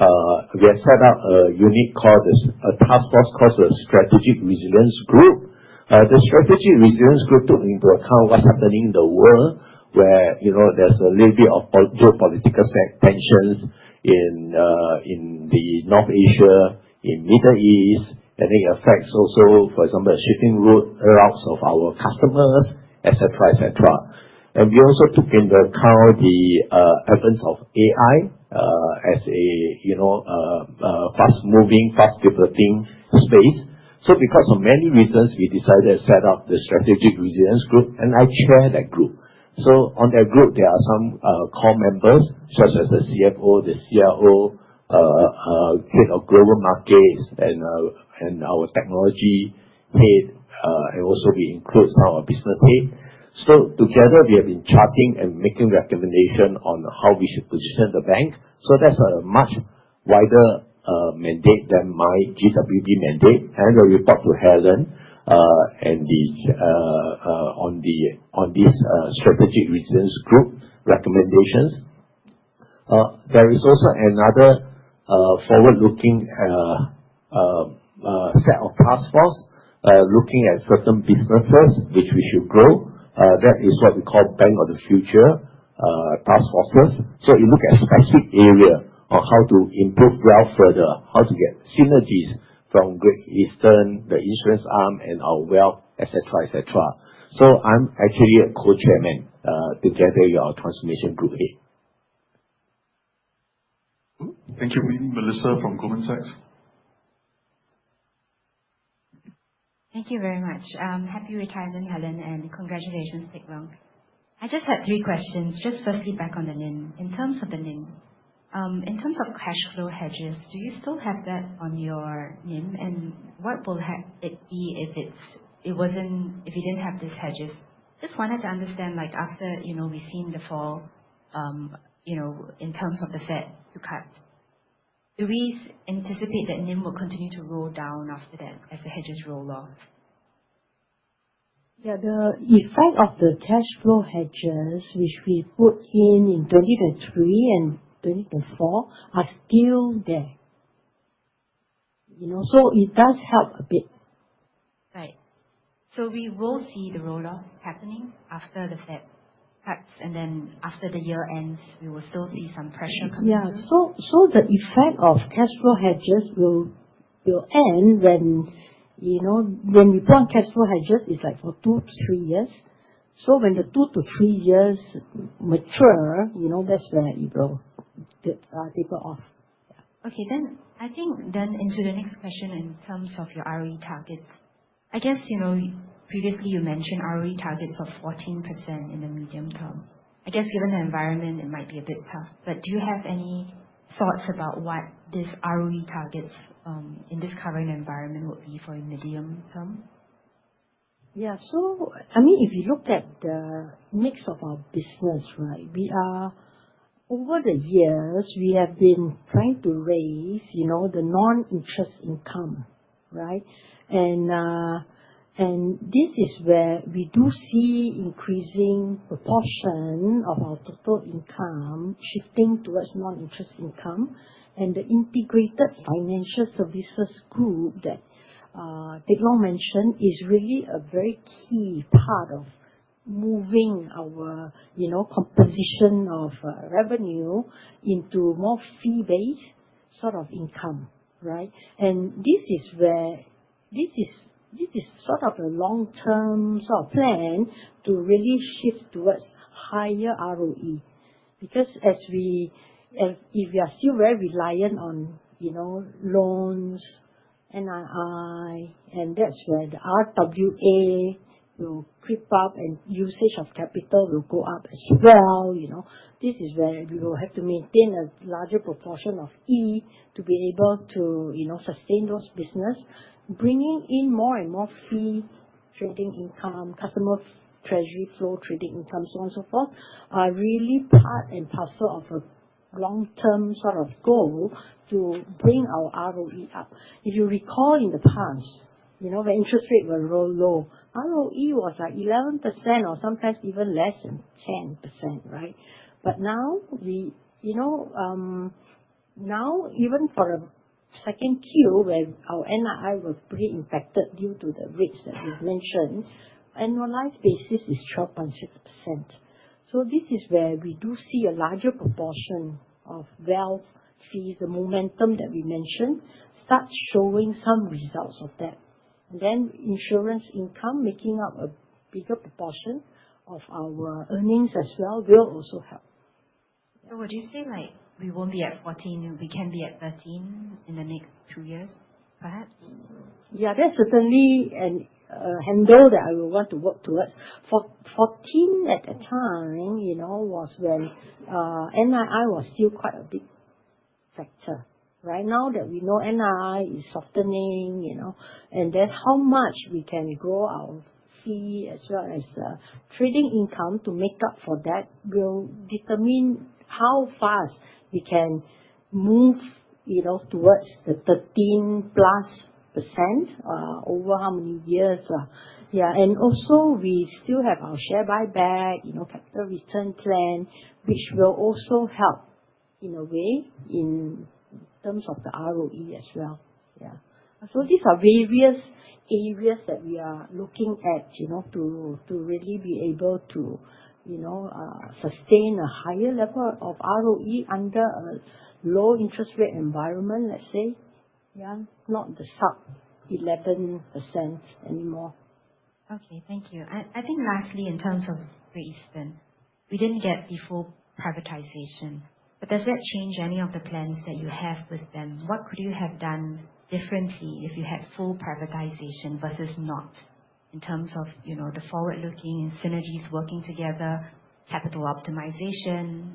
we have set up a unit called a task force called the Strategic Resilience Group. The Strategic Resilience Group took into account what's happening in the world, where there's a little bit of geopolitical tensions in North Asia, in the Middle East, and it affects also, for example, the shipping routes of our customers, etc., etc. We also took into account the advance of AI as a fast-moving, fast-developing space. Because of many reasons, we decided to set up the Strategic Resilience Group, and I chair that group. On that group, there are some core members such as the CFO, the CRO, head of global markets, and our technology head, and also we include some of our business head. Together, we have been charting and making recommendations on how we should position the bank. That's a much wider mandate than my GWB mandate. I report to Helen on these Strategic Resilience Group recommendations. There is also another forward-looking set of task forces looking at certain businesses which we should grow. That is what we call Bank of the Future task forces. It looks at specific areas on how to improve wealth further, how to get synergies from Great Eastern, the insurance arm, and our wealth, etc., etc. So I'm actually a co-chairman together with our transformation group. Thank you. Melissa from Goldman Sachs. Thank you very much. Happy retirement, Helen, and congratulations, Teck Long. I just had three questions. Just firstly, back on the NIM. In terms of the NIM, in terms of cash flow hedges, do you still have that on your NIM? And what will it be if it wasn't if you didn't have these hedges? Just wanted to understand after we've seen the fall in terms of the Fed to cut. Do we anticipate that NIM will continue to roll down after that as the hedges roll off? Yeah. The effect of the cash flow hedges, which we put in in 2023 and 2024, are still there. So it does help a bit. Right. So we will see the rolloff happening after the Fed cuts, and then after the year ends, we will still see some pressure coming in. Yeah. So the effect of cash flow hedges will end when we put on cash flow hedges is for two to three years. So when the two to three years mature, that's where it will taper off. Okay. Then I think then into the next question in terms of your ROE targets. I guess previously you mentioned ROE targets of 14% in the medium term. I guess given the environment, it might be a bit tough. But do you have any thoughts about what these ROE targets in this current environment will be for a medium term? Yeah. So I mean, if you look at the mix of our business, right, over the years, we have been trying to raise the non-interest income, right? This is where we do see an increasing proportion of our total income shifting towards non-interest income. The Integrated Financial Services Group that Teck Long mentioned is really a very key part of moving our composition of revenue into more fee-based sort of income, right? This is sort of a long-term sort of plan to really shift towards higher ROE because if we are still very reliant on loans, NII, and that's where the RWA will creep up and usage of capital will go up as well. This is where we will have to maintain a larger proportion of E to be able to sustain those businesses. Bringing in more and more fee-trading income, customer treasury flow trading income, so on and so forth are really part and parcel of a long-term sort of goal to bring our ROE up. If you recall in the past, when interest rates were real low, ROE was like 11% or sometimes even less than 10%, right? But now, even for a second Q, where our NII was pretty impacted due to the rates that we've mentioned, annualized basis is 12.6%. So this is where we do see a larger proportion of wealth fees, the momentum that we mentioned, starts showing some results of that. Then insurance income making up a bigger proportion of our earnings as well will also help. So would you say we won't be at 14? We can be at 13 in the next two years, perhaps? Yeah. There's certainly a handle that I will want to work towards. 14 at a time was when NII was still quite a big factor. Right now that we know NII is softening, and then how much we can grow our fee as well as trading income to make up for that will determine how fast we can move towards the 13% plus over how many years. Yeah. And also, we still have our share buyback, capital return plan, which will also help in a way in terms of the ROE as well. Yeah. So these are various areas that we are looking at to really be able to sustain a higher level of ROE under a low interest rate environment, let's say. Yeah. Not the sub-11% anymore. Okay. Thank you. I think lastly, in terms of Great Eastern, we didn't get the full privatization. But does that change any of the plans that you have with them? What could you have done differently if you had full privatization versus not in terms of the forward-looking and synergies working together, capital optimization?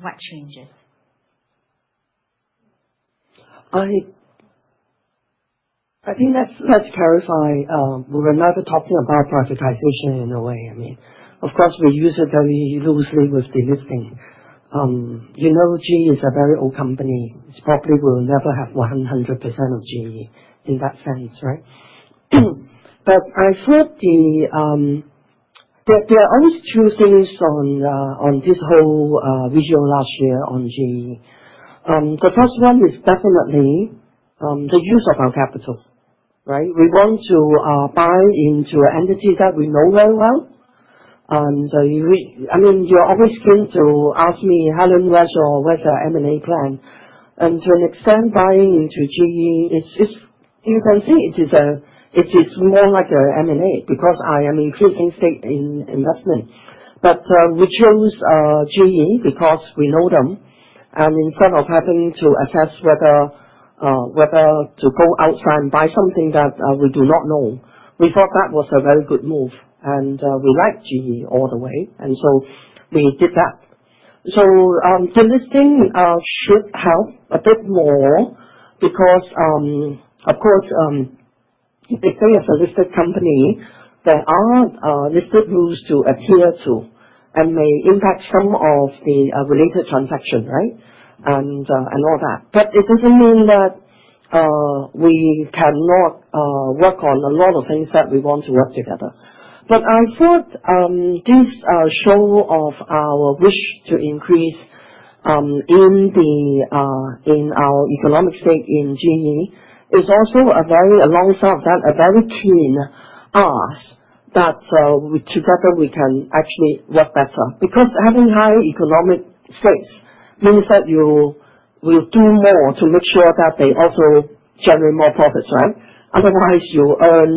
What changes? I think let's clarify. We were never talking about privatization in a way. I mean, of course, we use it very loosely with delisting. GE is a very old company. It probably will never have 100% of GE in that sense, right? But I thought there are always two things on this whole vision last year on GE. The first one is definitely the use of our capital, right? We want to buy into entities that we know very well. And I mean, you're always keen to ask me, "Helen, where's your M&A plan?" And to an extent, buying into GE, you can see it is more like an M&A because I am increasing stake in investment. We chose GE because we know them. Instead of having to assess whether to go outside and buy something that we do not know, we thought that was a very good move. We like GE all the way. We did that. Delisting should help a bit more because, of course, if they say it's a listed company, there are listed rules to adhere to and may impact some of the related transactions, right, and all that. It doesn't mean that we cannot work on a lot of things that we want to work together. I thought this show of our wish to increase in our economic stake in GE is also a very alongside of that, a very keen ask that together we can actually work better. Because having high economic stakes means that you will do more to make sure that they also generate more profits, right? Otherwise, you earn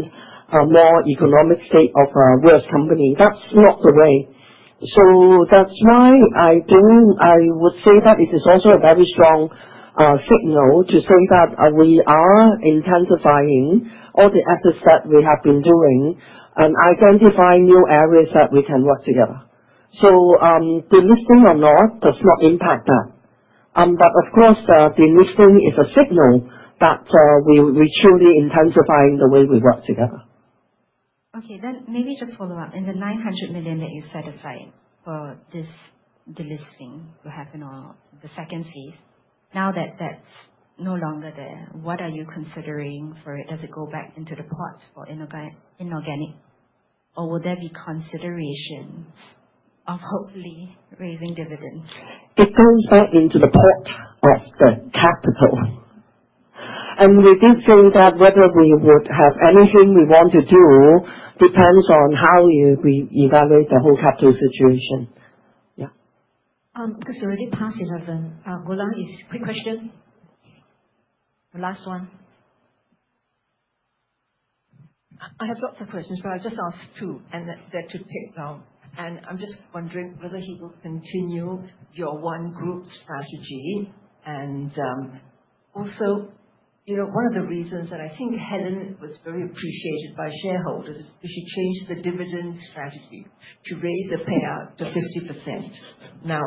more economic stake of a worse company. That's not the way. So that's why I would say that it is also a very strong signal to say that we are intensifying all the efforts that we have been doing and identifying new areas that we can work together. So delisting or not does not impact that. But of course, delisting is a signal that we're truly intensifying the way we work together. Okay. Then maybe just follow up. In the 900 million that you set aside for this delisting to happen or the second phase, now that that's no longer there, what are you considering for it? Does it go back into the pot for inorganic? Or will there be considerations of hopefully raising dividends? It goes back into the pot of the capital, and we do think that whether we would have anything we want to do depends on how we evaluate the whole capital situation. Yeah. Because we're already past 11:00. Gulan, quick question? The last one. I have lots of questions, but I've just asked two, and they're too quick, and I'm just wondering whether he will continue your one-group strategy, and also, one of the reasons that I think Helen was very appreciated by shareholders is because she changed the dividend strategy to raise the payout to 50%. Now,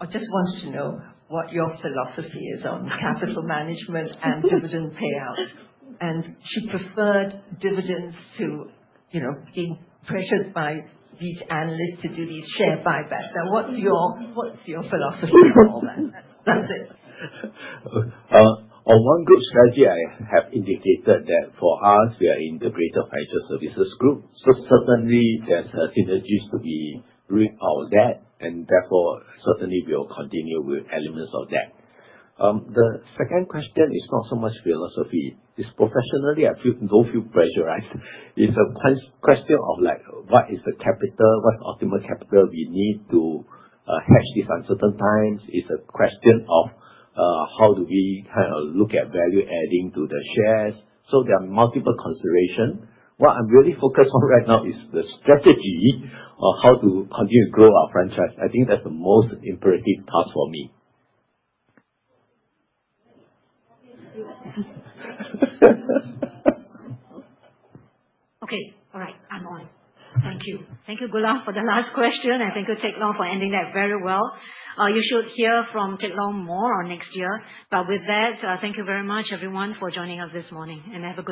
I just wanted to know what your philosophy is on capital management and dividend payouts, and she preferred dividends to being pressured by these analysts to do these share buybacks. Now, what's your philosophy on all that? That's it. On one group strategy, I have indicated that for us, we are in the OCBC Group. So certainly, there's synergies to be built out of that. And therefore, certainly, we'll continue with elements of that. The second question is not so much philosophy. It's professionally, I feel no huge pressure, right? It's a question of what is the capital, what's the optimal capital we need to hedge these uncertain times. It's a question of how do we kind of look at value-adding to the shares. So there are multiple considerations. What I'm really focused on right now is the strategy of how to continue to grow our franchise. I think that's the most imperative task for me. Okay. All right. I'm on. Thank you. Thank you, Gulan, for the last question. And thank you, Teck Long, for ending that very well. You should hear from Teck Long more next year. But with that, thank you very much, everyone, for joining us this morning. And have a good.